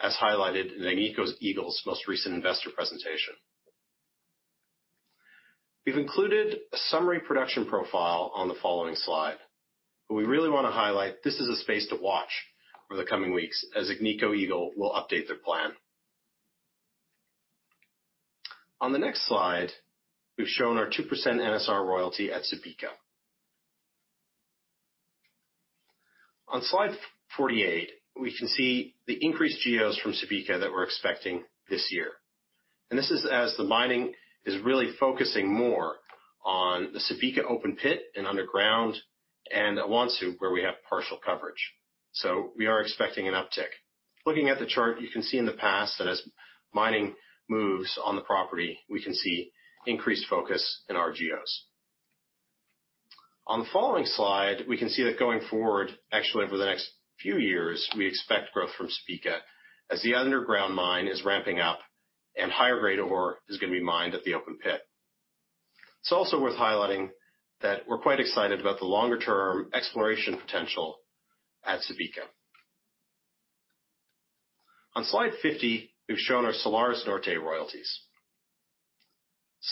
as highlighted in the Agnico Eagle's most recent investor presentation. We've included a summary production profile on the following slide, but we really wanna highlight this is a space to watch over the coming weeks as Agnico Eagle will update their plan. On the next slide, we've shown our 2% NSR royalty at Subika. On slide 48, we can see the increased GEOs from Subika that we're expecting this year. This is as the mining is really focusing more on the Subika open pit and underground and Awonsu, where we have partial coverage. We are expecting an uptick. Looking at the chart, you can see in the past that as mining moves on the property, we can see increased focus in our geos. On the following slide, we can see that going forward, actually over the next few years, we expect growth from Subika as the underground mine is ramping up and higher-grade ore is gonna be mined at the open pit. It's also worth highlighting that we're quite excited about the longer-term exploration potential at Subika. On slide 50, we've shown our Salares Norte royalties.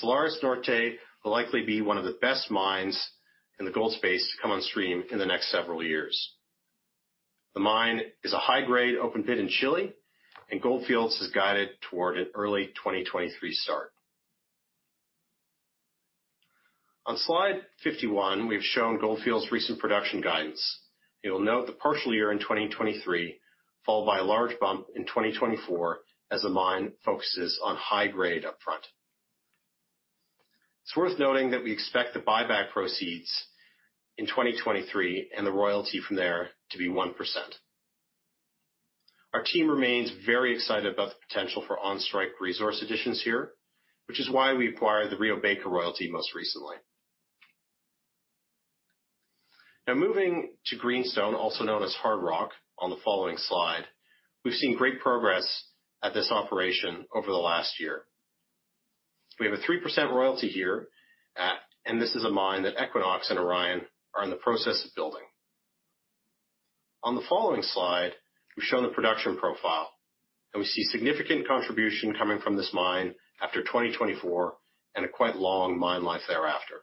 Salares Norte will likely be one of the best mines in the gold space to come on stream in the next several years. The mine is a high-grade open pit in Chile, and Gold Fields has guided toward an early 2023 start. On slide 51, we've shown Gold Fields' recent production guidance. You'll note the partial year in 2023, followed by a large bump in 2024 as the mine focuses on high grade up front. It's worth noting that we expect the buyback proceeds in 2023 and the royalty from there to be 1%. Our team remains very excited about the potential for on-strike resource additions here, which is why we acquired the Rio Baker royalty most recently. Now moving to Greenstone, also known as Hard Rock, on the following slide, we've seen great progress at this operation over the last year. We have a 3% royalty here, and this is a mine that Equinox and Orion are in the process of building. On the following slide, we've shown the production profile, and we see significant contribution coming from this mine after 2024 and a quite long mine life thereafter.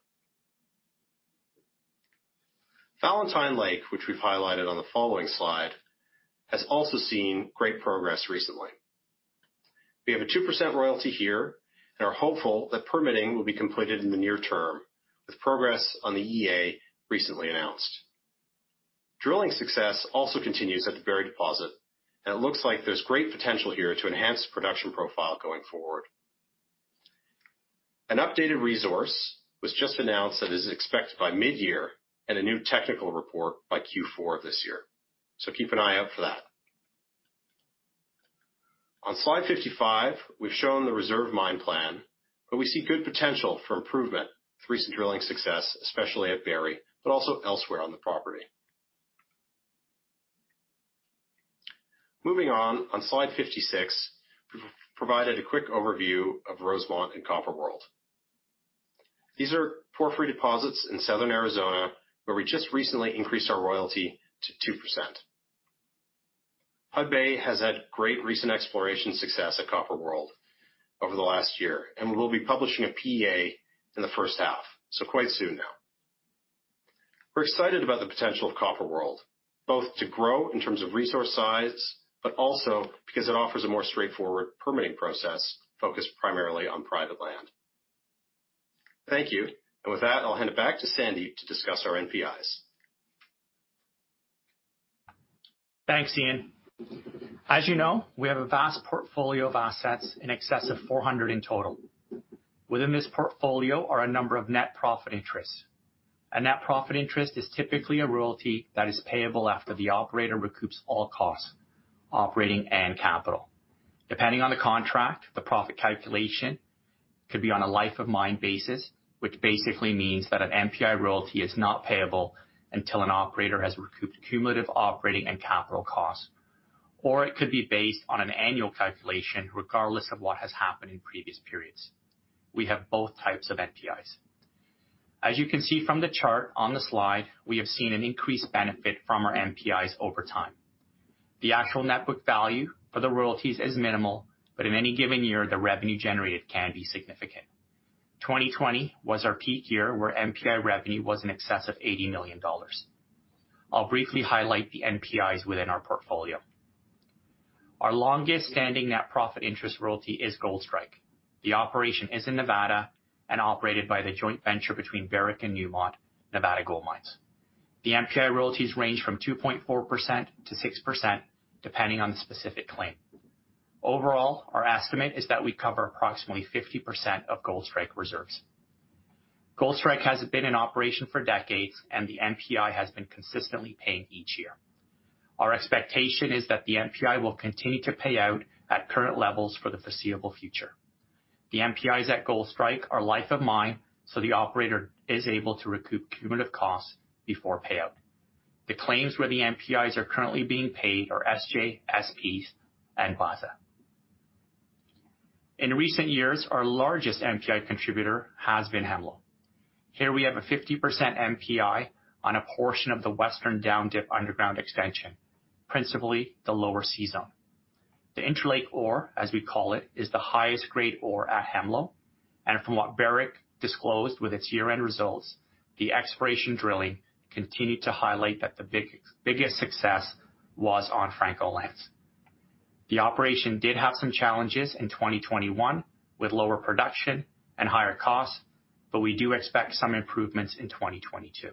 Valentine Lake, which we've highlighted on the following slide, has also seen great progress recently. We have a 2% royalty here and are hopeful that permitting will be completed in the near term, with progress on the EA recently announced. Drilling success also continues at the Berry deposit, and it looks like there's great potential here to enhance the production profile going forward. An updated resource was just announced that is expected by mid-year and a new technical report by Q4 of this year. Keep an eye out for that. On slide 55, we've shown the reserve mine plan, but we see good potential for improvement with recent drilling success, especially at Berry, but also elsewhere on the property. Moving on slide 56, we've provided a quick overview of Rosemont and Copper World. These are porphyry deposits in southern Arizona, where we just recently increased our royalty to 2%. Hudbay has had great recent exploration success at Copper World over the last year, and we will be publishing a PEA in the first half, so quite soon now. We're excited about the potential of Copper World, both to grow in terms of resource size, but also because it offers a more straightforward permitting process focused primarily on private land. Thank you. With that, I'll hand it back to Sandip to discuss our NPIs. Thanks, Eaun. As you know, we have a vast portfolio of assets in excess of 400 in total. Within this portfolio are a number of net profit interests. A net profit interest is typically a royalty that is payable after the operator recoups all costs, operating and capital. Depending on the contract, the profit calculation could be on a life of mine basis, which basically means that an NPI royalty is not payable until an operator has recouped cumulative operating and capital costs. Or it could be based on an annual calculation, regardless of what has happened in previous periods. We have both types of NPIs. As you can see from the chart on the slide, we have seen an increased benefit from our NPIs over time. The actual net book value for the royalties is minimal, but in any given year, the revenue generated can be significant. 2020 was our peak year, where NPI revenue was in excess of $80 million. I'll briefly highlight the NPIs within our portfolio. Our longest-standing net profit interest royalty is Goldstrike. The operation is in Nevada and operated by the joint venture between Barrick and Newmont, Nevada Gold Mines. The NPI royalties range from 2.4%-6%, depending on the specific claim. Overall, our estimate is that we cover approximately 50% of Goldstrike reserves. Goldstrike has been in operation for decades, and the NPI has been consistently paying each year. Our expectation is that the NPI will continue to pay out at current levels for the foreseeable future. The NPIs at Goldstrike are life of mine, so the operator is able to recoup cumulative costs before payout. The claims where the NPIs are currently being paid are SJ, SPs, and Bazza. In recent years, our largest NPI contributor has been Hemlo. Here we have a 50% NPI on a portion of the western down dip underground extension, principally the lower C zone. The interlake ore, as we call it, is the highest grade ore at Hemlo, and from what Barrick disclosed with its year-end results, the exploration drilling continued to highlight that the biggest success was on Franco lands. The operation did have some challenges in 2021, with lower production and higher costs, but we do expect some improvements in 2022.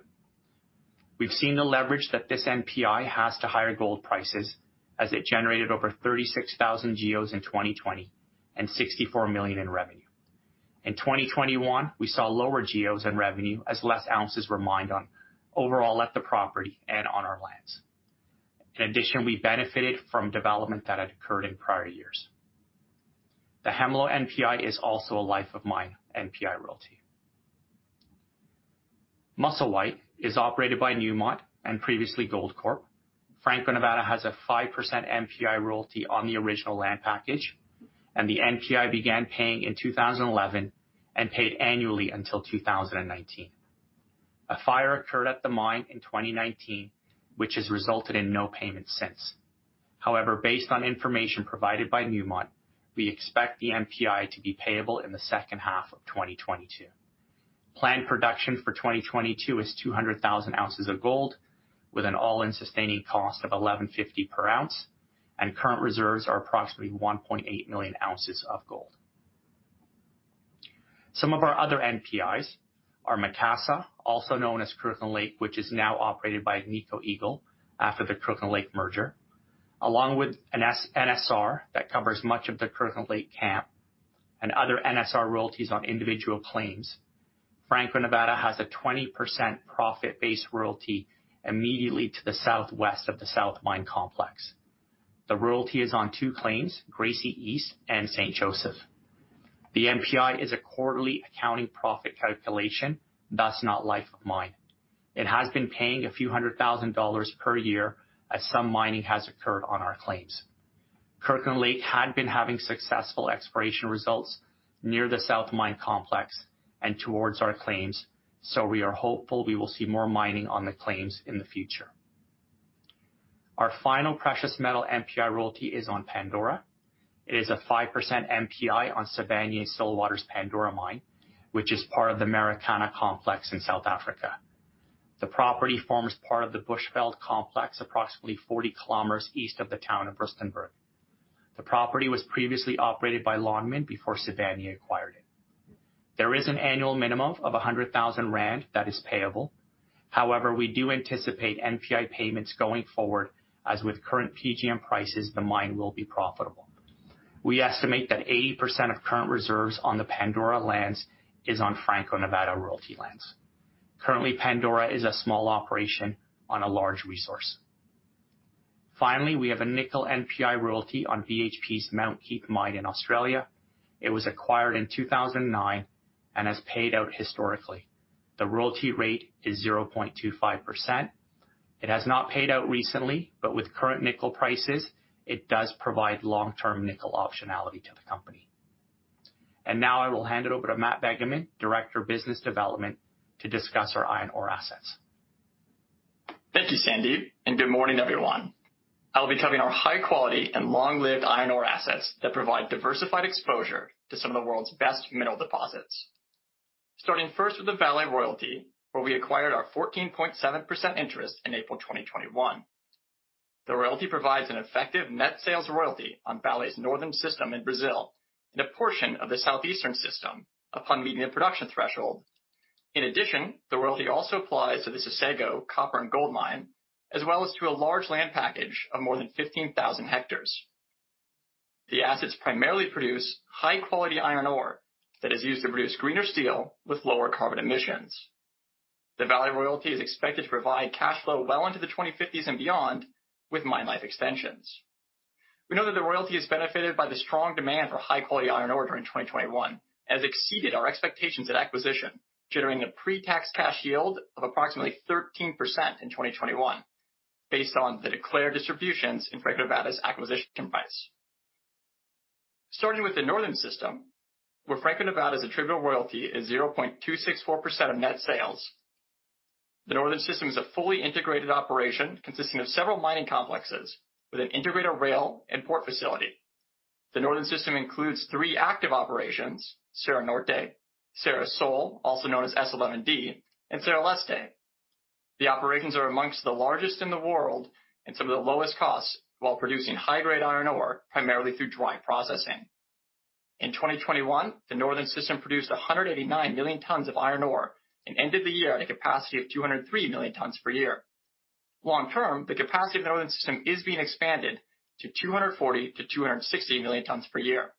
We've seen the leverage that this NPI has to higher gold prices as it generated over 36,000 GEOs in 2020 and $64 million in revenue. In 2021, we saw lower GEOs and revenue as less ounces were mined overall at the property and on our lands. In addition, we benefited from development that had occurred in prior years. The Hemlo NPI is also a life of mine NPI royalty. Musselwhite is operated by Newmont and previously Goldcorp. Franco-Nevada has a 5% NPI royalty on the original land package, and the NPI began paying in 2011 and paid annually until 2019. A fire occurred at the mine in 2019, which has resulted in no payment since. However, based on information provided by Newmont, we expect the NPI to be payable in the second half of 2022. Planned production for 2022 is 200,000 ounces of gold with an all-in sustaining cost of $1,150 per ounce, and current reserves are approximately 1.8 million ounces of gold. Some of our other NPIs are Macassa, also known as Kirkland Lake, which is now operated by Agnico Eagle after the Kirkland Lake merger, along with an NSR that covers much of the Kirkland Lake camp and other NSR royalties on individual claims. Franco-Nevada has a 20% profit-based royalty immediately to the southwest of the South Mine complex. The royalty is on two claims, Gracie East and St. Joseph. The NPI is a quarterly accounting profit calculation, thus not life of mine. It has been paying a few hundred thousand dollars per year as some mining has occurred on our claims. Kirkland Lake had been having successful exploration results near the South Mine complex and towards our claims, so we are hopeful we will see more mining on the claims in the future. Our final precious metal NPI royalty is on Pandora. It is a 5% NPI on Sibanye-Stillwater's Pandora mine, which is part of the Marikana complex in South Africa. The property forms part of the Bushveld complex, approximately 40 km east of the town of Rustenburg. The property was previously operated by Lonmin before Sibanye acquired it. There is an annual minimum of 100,000 rand that is payable. However, we do anticipate NPI payments going forward, as with current PGM prices, the mine will be profitable. We estimate that 80% of current reserves on the Pandora lands is on Franco-Nevada royalty lands. Currently, Pandora is a small operation on a large resource. Finally, we have a nickel NPI royalty on BHP's Mount Keith mine in Australia. It was acquired in 2009 and has paid out historically. The royalty rate is 0.25%. It has not paid out recently, but with current nickel prices, it does provide long-term nickel optionality to the company. Now I will hand it over to Matt Begeman, Director of Business Development, to discuss our iron ore assets. Thank you, Sandip, and good morning, everyone. I will be covering our high-quality and long-lived iron ore assets that provide diversified exposure to some of the world's best mineral deposits. Starting first with the Vale royalty, where we acquired our 14.7% interest in April 2021. The royalty provides an effective net sales royalty on Vale's northern system in Brazil and a portion of the southeastern system upon meeting a production threshold. In addition, the royalty also applies to the Sossego copper and gold mine, as well as to a large land package of more than 15,000 hectares. The assets primarily produce high-quality iron ore that is used to produce greener steel with lower carbon emissions. The Vale royalty is expected to provide cash flow well into the 2050s and beyond with mine life extensions. We know that the royalty is benefited by the strong demand for high-quality iron ore during 2021, which exceeded our expectations at acquisition, generating a pre-tax cash yield of approximately 13% in 2021 based on the declared distributions in Franco-Nevada's acquisition price. Starting with the Northern System, where Franco-Nevada's attributable royalty is 0.264% of net sales. The Northern System is a fully integrated operation consisting of several mining complexes with an integrated rail and port facility. The Northern System includes three active operations, Serra Norte, Serra Sul, also known as S11D, and Serra Leste. The operations are among the largest in the world and some of the lowest costs while producing high-grade iron ore primarily through dry processing. In 2021, the Northern system produced 189 million tons of iron ore and ended the year at a capacity of 203 million tons per year. Long term, the capacity of the Northern system is being expanded to 240 million-260 million tons per year.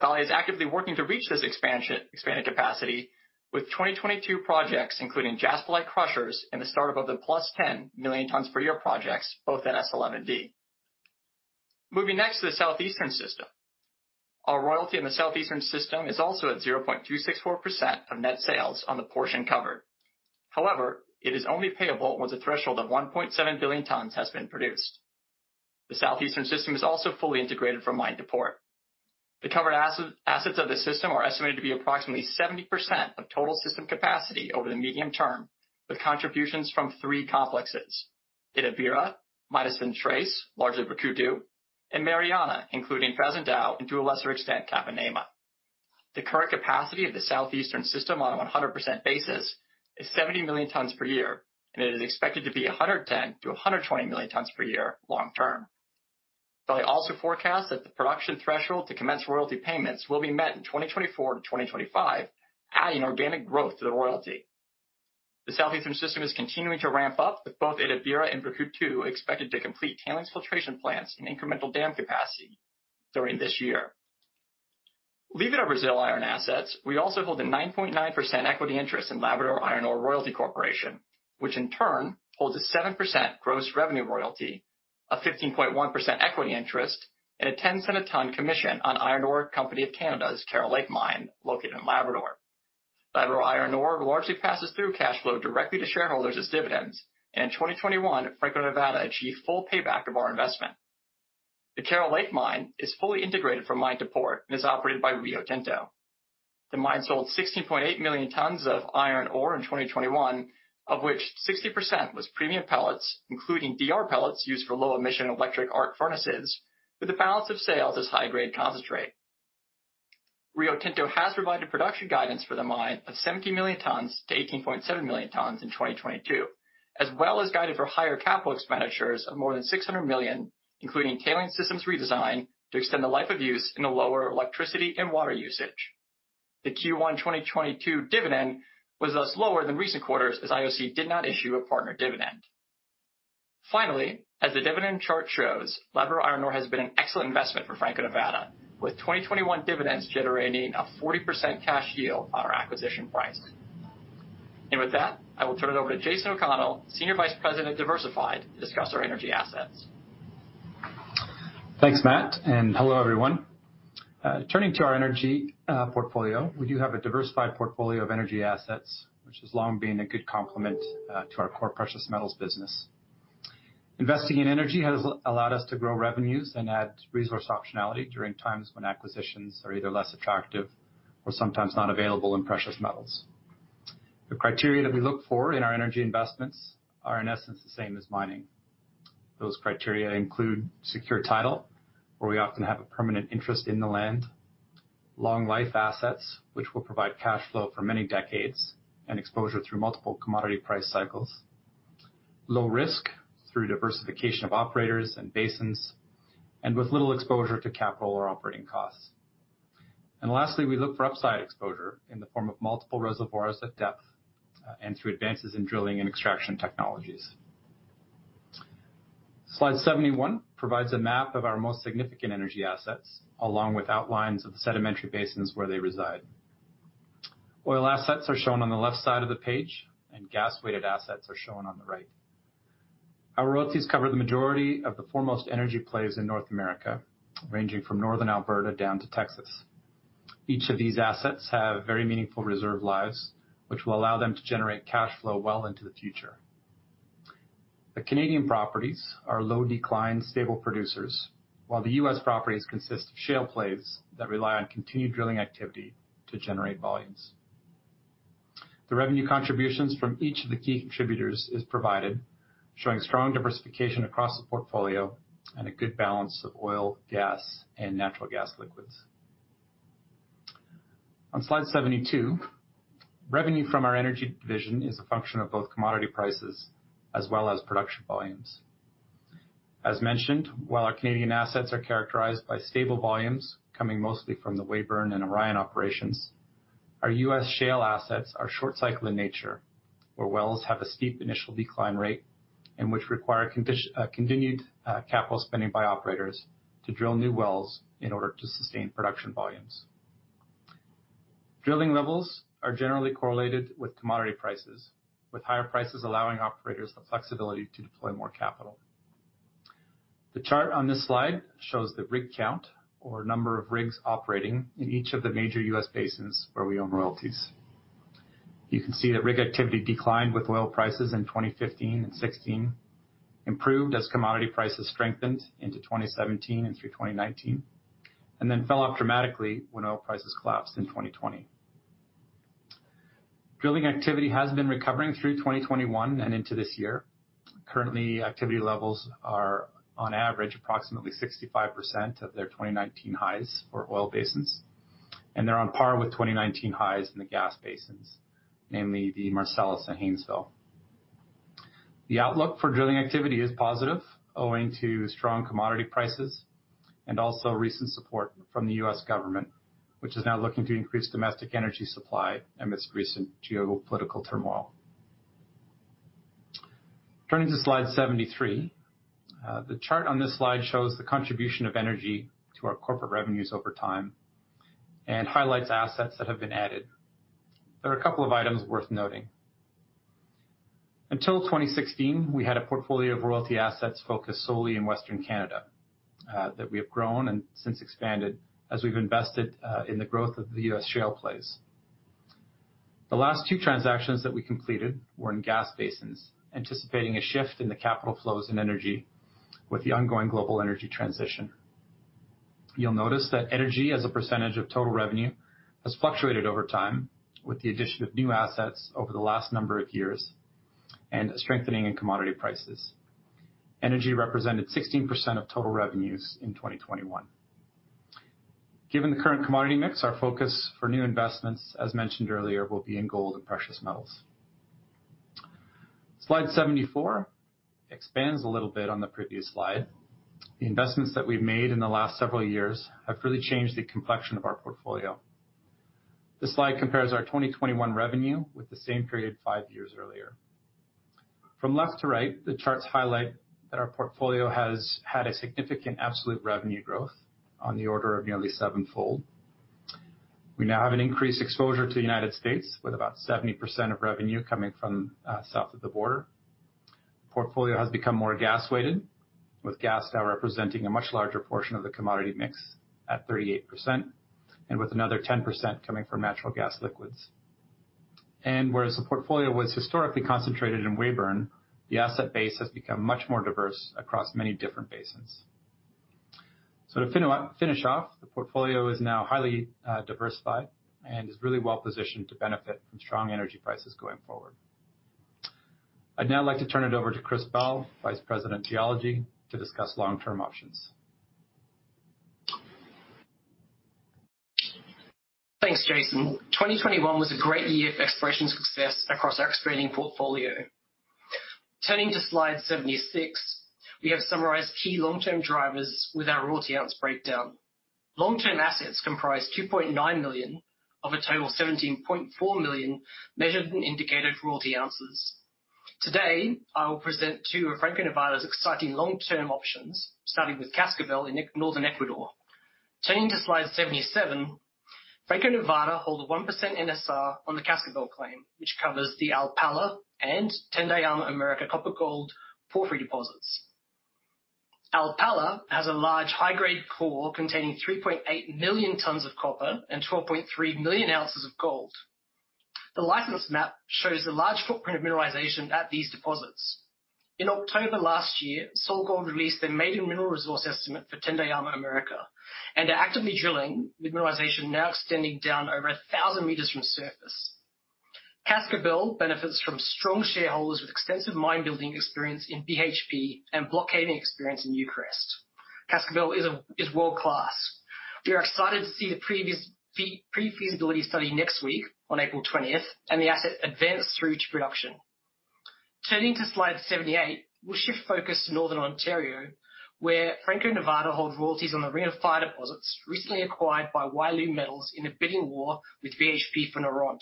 Vale is actively working to reach this expanded capacity with 2022 projects, including jaspeite crushers and the startup of the +10 million tons per year projects, both in S11D. Moving next to the Southeastern System. Our royalty in the Southeastern System is also at 0.264% of net sales on the portion covered. However, it is only payable once a threshold of 1.7 billion tons has been produced. The Southeastern System is also fully integrated from mine to port. The covered assets of the system are estimated to be approximately 70% of total system capacity over the medium term, with contributions from three complexes: Itabira, Minas Centrais (largely Brucutu), and Mariana, including Fazendão and, to a lesser extent, Capanema. The current capacity of the Southeastern System on a 100% basis is 70 million tons per year, and it is expected to be 110 million-120 million tons per year long term. I also forecast that the production threshold to commence royalty payments will be met in 2024-2025, adding organic growth to the royalty. The Southeastern System is continuing to ramp up, with both Itabira and Brucutu expected to complete tailings filtration plants and incremental dam capacity during this year. Leaving our Brazil iron assets, we also hold a 9.9% equity interest in Labrador Iron Ore Royalty Corporation, which in turn holds a 7% gross revenue royalty, a 15.1% equity interest, and a 0.10 a-ton commission on Iron Ore Company of Canada's Carol Lake mine located in Labrador. Labrador Iron Ore largely passes through cash flow directly to shareholders as dividends, and in 2021, Franco-Nevada achieved full payback of our investment. The Carol Lake mine is fully integrated from mine to port and is operated by Rio Tinto. The mine sold 16.8 million tons of iron ore in 2021, of which 60% was premium pellets, including DR pellets used for low emission electric arc furnaces, with the balance of sales as high grade concentrate. Rio Tinto has provided production guidance for the mine of 17 million tons-18.7 million tons in 2022, as well as guided for higher capital expenditures of more than $600 million, including tailings systems redesign to extend the life of mine in a lower electricity and water usage. The Q1 2022 dividend was thus lower than recent quarters as IOC did not issue a partner dividend. Finally, as the dividend chart shows, Labrador Iron Ore has been an excellent investment for Franco-Nevada, with 2021 dividends generating a 40% cash yield on our acquisition price. With that, I will turn it over to Jason O'Connell, Senior Vice President, Diversified, to discuss our energy assets. Thanks, Matt, and hello, everyone. Turning to our energy portfolio. We do have a diversified portfolio of energy assets, which has long been a good complement to our core precious metals business. Investing in energy has allowed us to grow revenues and add resource optionality during times when acquisitions are either less attractive or sometimes not available in precious metals. The criteria that we look for in our energy investments are, in essence, the same as mining. Those criteria include secure title, where we often have a permanent interest in the land. Long life assets, which will provide cash flow for many decades and exposure through multiple commodity price cycles. Low risk through diversification of operators and basins, and with little exposure to capital or operating costs. Lastly, we look for upside exposure in the form of multiple reservoirs at depth, and through advances in drilling and extraction technologies. Slide 71 provides a map of our most significant energy assets, along with outlines of the sedimentary basins where they reside. Oil assets are shown on the left side of the page, and gas-weighted assets are shown on the right. Our royalties cover the majority of the foremost energy plays in North America, ranging from northern Alberta down to Texas. Each of these assets have very meaningful reserve lives, which will allow them to generate cash flow well into the future. The Canadian properties are low decline, stable producers, while the U.S. properties consist of shale plays that rely on continued drilling activity to generate volumes. The revenue contributions from each of the key contributors is provided, showing strong diversification across the portfolio and a good balance of oil, gas, and natural gas liquids. On slide 72, revenue from our energy division is a function of both commodity prices as well as production volumes. As mentioned, while our Canadian assets are characterized by stable volumes coming mostly from the Weyburn and Orion operations, our U.S. shale assets are short cycle in nature, where wells have a steep initial decline rate and which require continued capital spending by operators to drill new wells in order to sustain production volumes. Drilling levels are generally correlated with commodity prices, with higher prices allowing operators the flexibility to deploy more capital. The chart on this slide shows the rig count or number of rigs operating in each of the major U.S. basins where we own royalties. You can see that rig activity declined with oil prices in 2015 and 2016, improved as commodity prices strengthened into 2017 and through 2019, and then fell off dramatically when oil prices collapsed in 2020. Drilling activity has been recovering through 2021 and into this year. Currently, activity levels are on average approximately 65% of their 2019 highs for oil basins, and they're on par with 2019 highs in the gas basins, namely the Marcellus and Haynesville. The outlook for drilling activity is positive, owing to strong commodity prices and also recent support from the U.S. government, which is now looking to increase domestic energy supply amidst recent geopolitical turmoil. Turning to slide 73. The chart on this slide shows the contribution of energy to our corporate revenues over time and highlights assets that have been added. There are a couple of items worth noting. Until 2016, we had a portfolio of royalty assets focused solely in Western Canada that we have grown and since expanded as we've invested in the growth of the U.S. shale plays. The last two transactions that we completed were in gas basins, anticipating a shift in the capital flows in energy with the ongoing global energy transition. You'll notice that energy as a percentage of total revenue has fluctuated over time with the addition of new assets over the last number of years and a strengthening in commodity prices. Energy represented 16% of total revenues in 2021. Given the current commodity mix, our focus for new investments, as mentioned earlier, will be in gold and precious metals. Slide 74 expands a little bit on the previous slide. The investments that we've made in the last several years have really changed the complexion of our portfolio. This slide compares our 2021 revenue with the same period five years earlier. From left to right, the charts highlight that our portfolio has had a significant absolute revenue growth on the order of nearly seven-fold. We now have an increased exposure to the United States, with about 70% of revenue coming from south of the border. Portfolio has become more gas weighted, with gas now representing a much larger portion of the commodity mix at 38% and with another 10% coming from natural gas liquids. Whereas the portfolio was historically concentrated in Weyburn, the asset base has become much more diverse across many different basins. To finish off, the portfolio is now highly diversified and is really well positioned to benefit from strong energy prices going forward. I'd now like to turn it over to Chris Bell, Vice President, Geology, to discuss long-term options. Thanks, Jason. 2021 was a great year for exploration success across our expanding portfolio. Turning to slide 76, we have summarized key long-term drivers with our Royalty Ounces breakdown. Long-term assets comprise 2.9 million of a total 17.4 million measured and indicated Royalty Ounces. Today, I will present two of Franco-Nevada's exciting long-term options, starting with Cascabel in Northern Ecuador. Turning to slide 77, Franco-Nevada holds a 1% NSR on the Cascabel claim, which covers the Alpala and Tandayama-America copper-gold porphyry deposits. Alpala has a large high-grade core containing 3.8 million tons of copper and 12.3 million ounces of gold. The license map shows the large footprint of mineralization at these deposits. In October last year, SolGold released their maiden mineral resource estimate for Tandayama-America and are actively drilling with mineralization now extending down over 1,000 meters from surface. Cascabel benefits from strong shareholders with extensive mine building experience in BHP and block caving experience in Newcrest. Cascabel is world-class. We are excited to see the pre-feasibility study next week on April twentieth, and the asset advance through to production. Turning to slide 78, we'll shift focus to Northern Ontario, where Franco-Nevada holds royalties on the Ring of Fire deposits recently acquired by Wyloo Metals in a bidding war with BHP for Noront.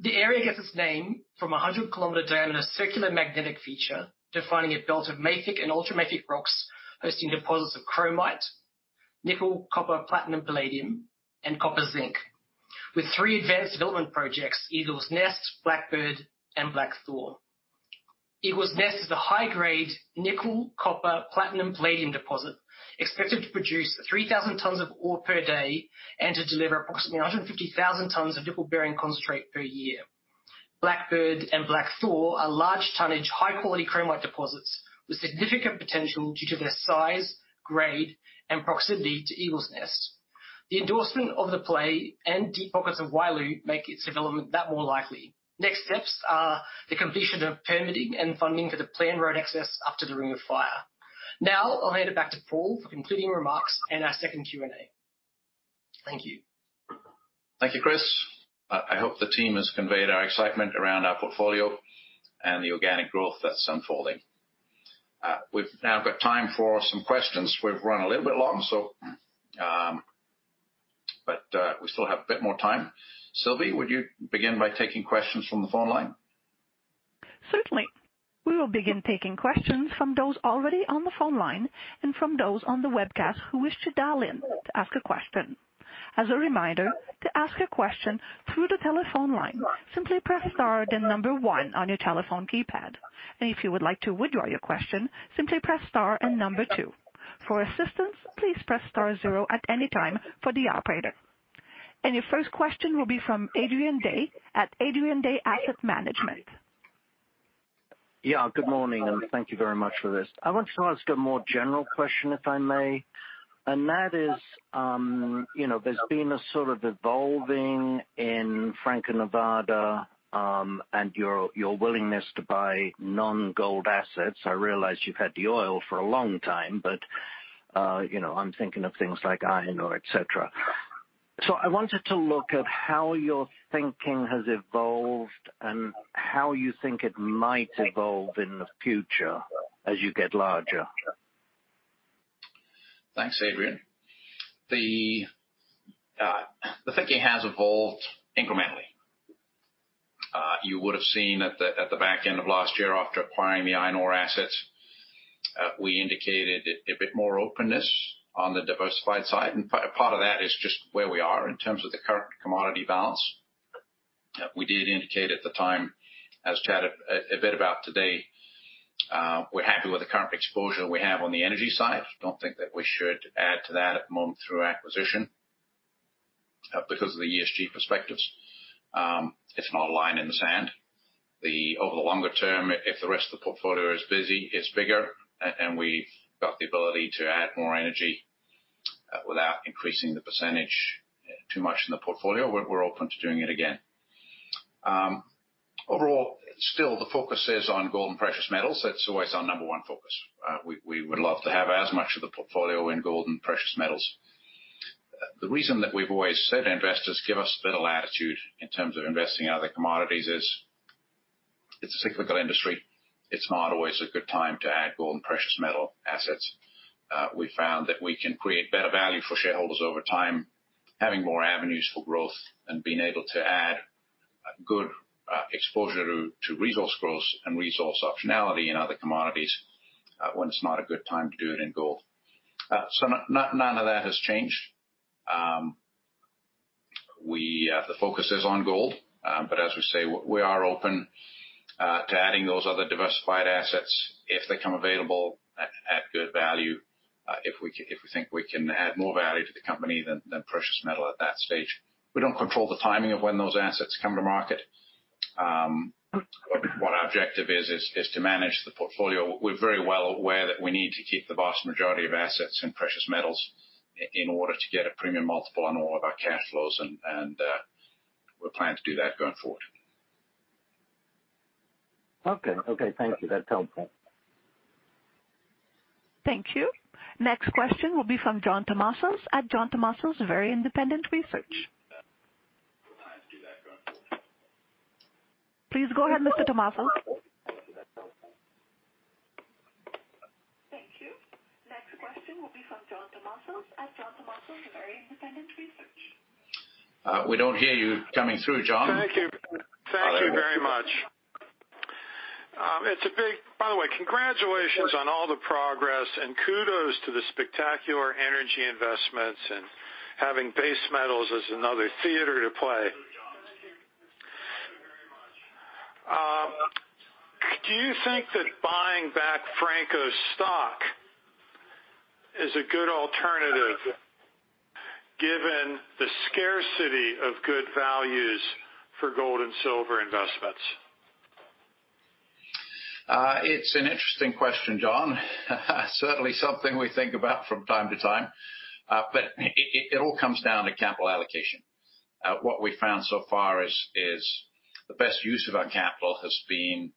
The area gets its name from a 100-kilometer diameter circular magnetic feature defining a belt of mafic and ultramafic rocks hosting deposits of chromite, nickel, copper, platinum, palladium, and copper zinc. With three advanced development projects, Eagle's Nest, Blackbird, and Black Thor. Eagle's Nest is a high-grade nickel, copper, platinum, palladium deposit expected to produce 3,000 tons of ore per day and to deliver approximately 150,000 tons of nickel-bearing concentrate per year. Blackbird and Black Thor are large tonnage, high-quality chromite deposits with significant potential due to their size, grade, and proximity to Eagle's Nest. The endorsement of the play and deep pockets of Wyloo make its development that more likely. Next steps are the completion of permitting and funding for the planned road access up to the Ring of Fire. Now I'll hand it back to Paul for concluding remarks and our second Q&A. Thank you. Thank you, Chris. I hope the team has conveyed our excitement around our portfolio and the organic growth that's unfolding. We've now got time for some questions. We've run a little bit long, so, but we still have a bit more time. Sylvie, would you begin by taking questions from the phone line? Certainly. We will begin taking questions from those already on the phone line and from those on the webcast who wish to dial in to ask a question. As a reminder, to ask a question through the telephone line, simply press star then number one on your telephone keypad. If you would like to withdraw your question, simply press star and number two. For assistance, please press star zero at any time for the operator. Your first question will be from Adrian Day at Adrian Day Asset Management. Yeah, good morning, and thank you very much for this. I want to ask a more general question, if I may. That is, you know, there's been a sort of evolving in Franco-Nevada, and your willingness to buy non-gold assets. I realize you've had the oil for a long time, but, you know, I'm thinking of things like iron ore, et cetera. I wanted to look at how your thinking has evolved and how you think it might evolve in the future as you get larger. Thanks, Adrian. The thinking has evolved incrementally. You would have seen at the back end of last year after acquiring the iron ore assets. We indicated a bit more openness on the diversified side, and part of that is just where we are in terms of the current commodity balance. We did indicate at the time, as we chat a bit about today, we're happy with the current exposure we have on the energy side. Don't think that we should add to that at the moment through acquisition because of the ESG perspectives. It's not a line in the sand. Over the longer term, if the rest of the portfolio is bigger and we've got the ability to add more energy without increasing the percentage too much in the portfolio, we're open to doing it again. Overall, still the focus is on gold and precious metals. That's always our number one focus. We would love to have as much of the portfolio in gold and precious metals. The reason that we've always said investors give us a bit of latitude in terms of investing in other commodities is it's a cyclical industry. It's not always a good time to add gold and precious metal assets. We found that we can create better value for shareholders over time, having more avenues for growth and being able to add good exposure to resource growth and resource optionality in other commodities, when it's not a good time to do it in gold. None of that has changed. The focus is on gold, but as we say, we are open to adding those other diversified assets if they come available at good value, if we think we can add more value to the company than precious metal at that stage. We don't control the timing of when those assets come to market. What our objective is to manage the portfolio. We're very well aware that we need to keep the vast majority of assets in precious metals in order to get a premium multiple on all of our cash flows and we're planning to do that going forward. Okay. Thank you. That's helpful. Thank you. Next question will be from John Tumazos at John Tumazos Very Independent Research. Please go ahead, Mr. Tumazos. We don't hear you coming through, John. Thank you. Thank you very much. By the way, congratulations on all the progress and kudos to the spectacular energy investments and having base metals as another theater to play. Do you think that buying back Franco's stock is a good alternative given the scarcity of good values for gold and silver investments? It's an interesting question, John. Certainly, something we think about from time to time, but it all comes down to capital allocation. What we found so far is the best use of our capital has been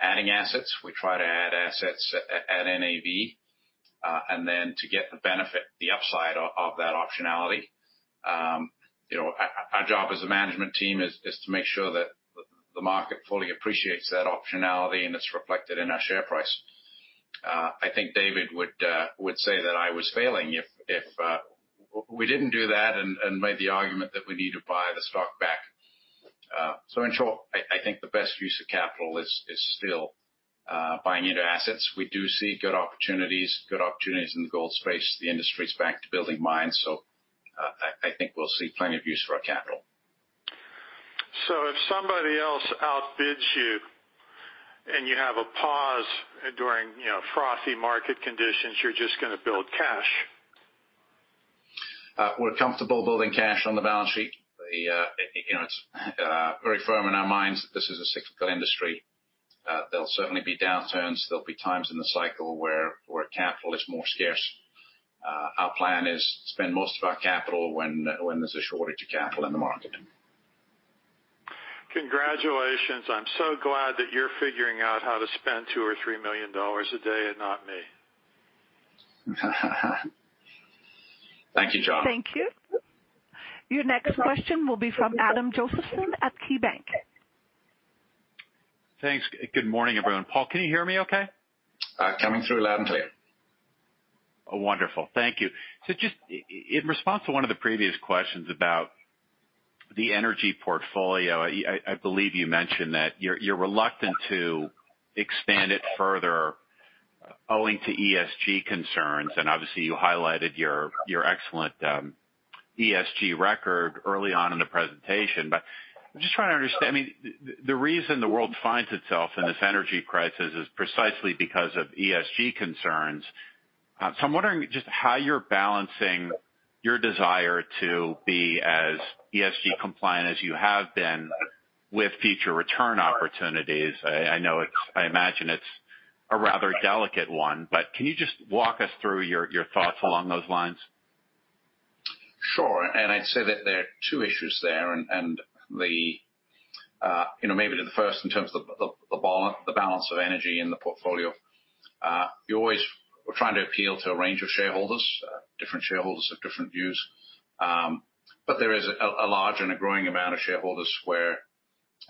adding assets. We try to add assets at NAV, and then to get the benefit, the upside of that optionality. You know, our job as a management team is to make sure that the market fully appreciates that optionality and it's reflected in our share price. I think David would say that I was failing if we didn't do that and made the argument that we need to buy the stock back. In short, I think the best use of capital is still buying into assets. We do see good opportunities in the gold space. The industry is back to building mines, so I think we'll see plenty of use for our capital. If somebody else outbids you and you have a pause during frothy market conditions, you're just gonna build cash. We're comfortable building cash on the balance sheet. You know, it's very firm in our minds that this is a cyclical industry. There'll certainly be downturns. There'll be times in the cycle where capital is more scarce. Our plan is to spend most of our capital when there's a shortage of capital in the market. Congratulations. I'm so glad that you're figuring out how to spend $2 million or $3 million a day and not me. Thank you, John. Thank you. Your next question will be from Adam Josephson at KeyBank. Thanks. Good morning, everyone. Paul, can you hear me okay? Coming through loud and clear. Wonderful. Thank you. Just in response to one of the previous questions about the energy portfolio, I believe you mentioned that you're reluctant to expand it further owing to ESG concerns, and obviously, you highlighted your excellent ESG record early on in the presentation. I'm just trying to understand. I mean, the reason the world finds itself in this energy crisis is precisely because of ESG concerns. I'm wondering just how you're balancing your desire to be as ESG compliant as you have been with future return opportunities. I know it's. I imagine it's a rather delicate one, but can you just walk us through your thoughts along those lines? Sure. I'd say that there are two issues there, maybe to the first in terms of the balance of energy in the portfolio. We're trying to appeal to a range of shareholders. Different shareholders have different views. There is a large and a growing amount of shareholders where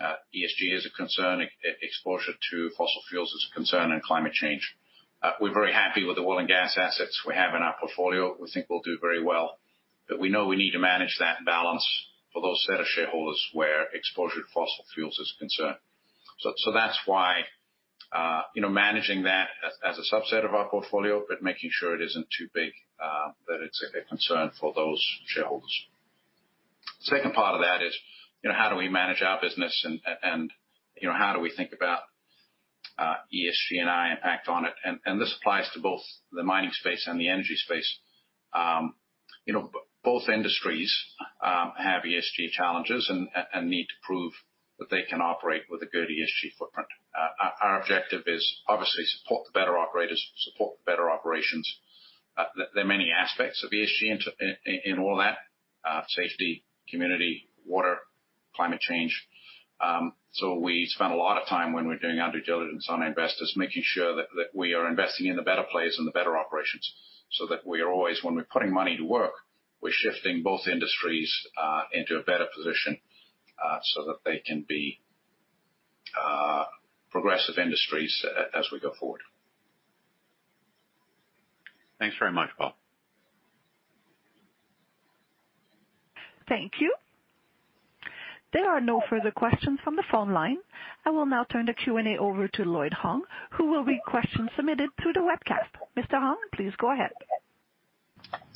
ESG is a concern, exposure to fossil fuels is a concern and climate change. We're very happy with the oil and gas assets we have in our portfolio. We think we'll do very well. We know we need to manage that balance for those set of shareholders where exposure to fossil fuels is concerned. That's why, you know, managing that as a subset of our portfolio, but making sure it isn't too big, that it's a concern for those shareholders. Second part of that is, you know, how do we manage our business and you know, how do we think about ESG and our impact on it? This applies to both the mining space and the energy space. You know, both industries have ESG challenges and need to prove that they can operate with a good ESG footprint. Our objective is obviously support the better operators, support the better operations. There are many aspects of ESG in all that, safety, community, water, climate change. We spend a lot of time when we're doing our due diligence on our investors, making sure that we are investing in the better players and the better operations so that we are always putting money to work, we're shifting both industries into a better position so that they can be progressive industries as we go forward. Thanks very much, Paul. Thank you. There are no further questions from the phone line. I will now turn the Q&A over to Lloyd Hong, who will read questions submitted through the webcast. Mr. Hong, please go ahead.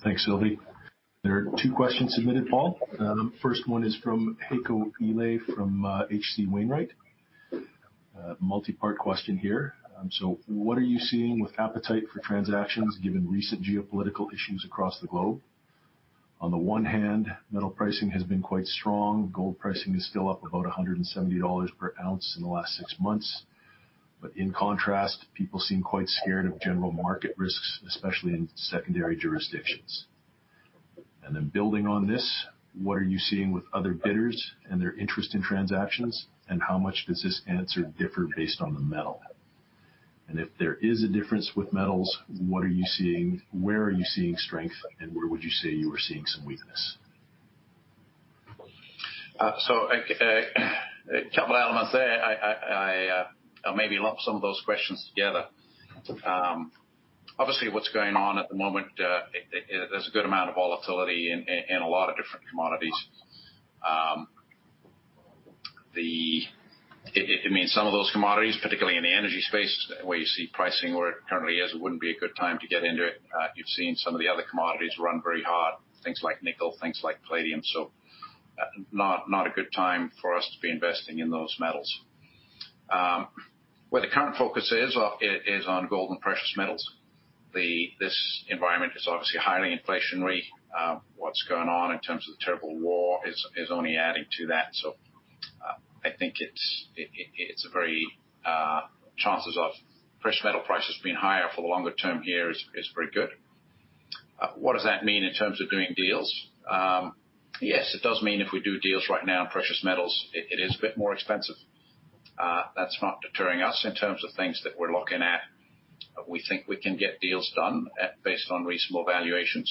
Thanks, Sylvie. There are two questions submitted, Paul. The first one is from Heiko Ihle from H.C. Wainwright. Multi-part question here. What are you seeing with appetite for transactions given recent geopolitical issues across the globe? On the one hand, metal pricing has been quite strong. Gold pricing is still up about $170 per ounce in the last six months. But in contrast, people seem quite scared of general market risks, especially in secondary jurisdictions. Then building on this, what are you seeing with other bidders and their interest in transactions and how much does this answer differ based on the metal? If there is a difference with metals, what are you seeing? Where are you seeing strength and where would you say you are seeing some weakness? A couple elements there. I'll maybe lump some of those questions together. Obviously, what's going on at the moment, there's a good amount of volatility in a lot of different commodities. I mean, some of those commodities, particularly in the energy space where you see pricing where it currently is, it wouldn't be a good time to get into it. You've seen some of the other commodities run very hard, things like nickel, things like palladium, so not a good time for us to be investing in those metals. Where the current focus is on gold and precious metals. This environment is obviously highly inflationary. What's going on in terms of the terrible war is only adding to that. I think it's a very chances of precious metal prices being higher for the longer term here is very good. What does that mean in terms of doing deals? Yes, it does mean if we do deals right now in precious metals, it is a bit more expensive. That's not deterring us in terms of things that we're looking at. We think we can get deals done based on reasonable valuations.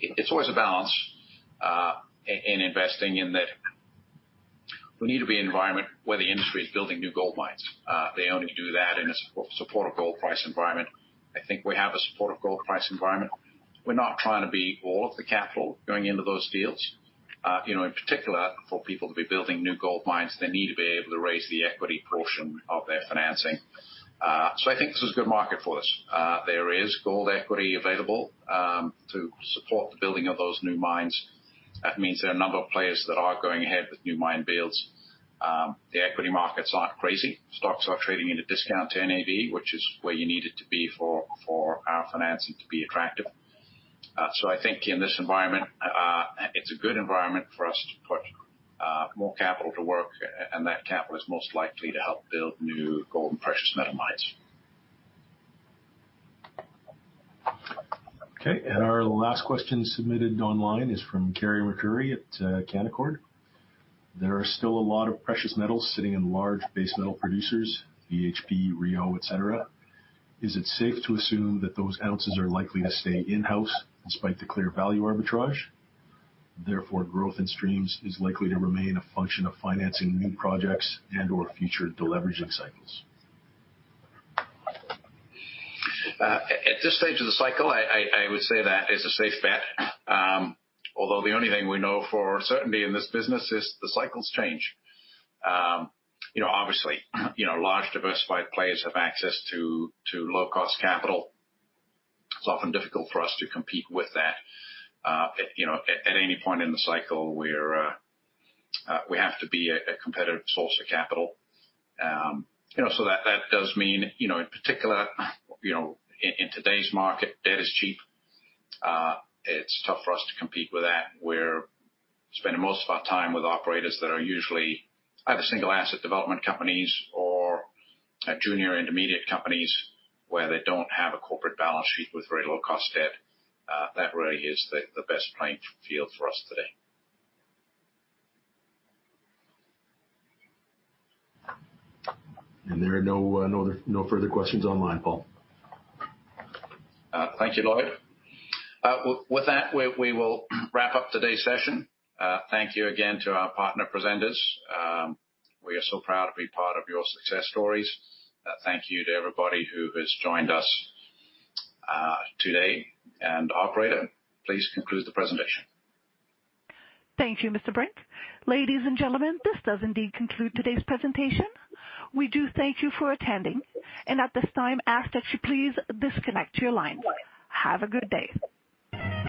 It's always a balance in investing in that we need to be in an environment where the industry is building new gold mines. They only do that in a supportive gold price environment. I think we have a supportive gold price environment. We're not trying to be all of the capital going into those deals. You know, in particular, for people to be building new gold mines, they need to be able to raise the equity portion of their financing. I think this is a good market for us. There is gold equity available to support the building of those new mines. That means there are a number of players that are going ahead with new mine builds. The equity markets aren't crazy. Stocks are trading at a discount to NAV, which is where you need it to be for our financing to be attractive. I think in this environment, it's a good environment for us to put more capital to work, and that capital is most likely to help build new gold and precious metal mines. Okay. Our last question submitted online is from Carey MacRury at Canaccord Genuity. There are still a lot of precious metals sitting in large base metal producers, BHP, Rio, et cetera. Is it safe to assume that those ounces are likely to stay in-house despite the clear value arbitrage, therefore, growth in streams is likely to remain a function of financing new projects and/or future deleveraging cycles? At this stage of the cycle, I would say that is a safe bet. Although the only thing we know for certainty in this business is the cycles change. You know, obviously, you know, large diversified players have access to low-cost capital. It's often difficult for us to compete with that. You know, at any point in the cycle, we have to be a competitive source of capital. You know, so that does mean, you know, in particular, you know, in today's market, debt is cheap. It's tough for us to compete with that. We're spending most of our time with operators that are usually either single asset development companies or junior intermediate companies where they don't have a corporate balance sheet with very low cost debt. That really is the best playing field for us today. There are no further questions online, Paul. Thank you, Lloyd. With that, we will wrap up today's session. Thank you again to our partner presenters. We are so proud to be part of your success stories. Thank you to everybody who has joined us today. Operator, please conclude the presentation. Thank you, Mr. Brink. Ladies and gentlemen, this does indeed conclude today's presentation. We do thank you for attending, and at this time ask that you please disconnect your lines. Have a good day.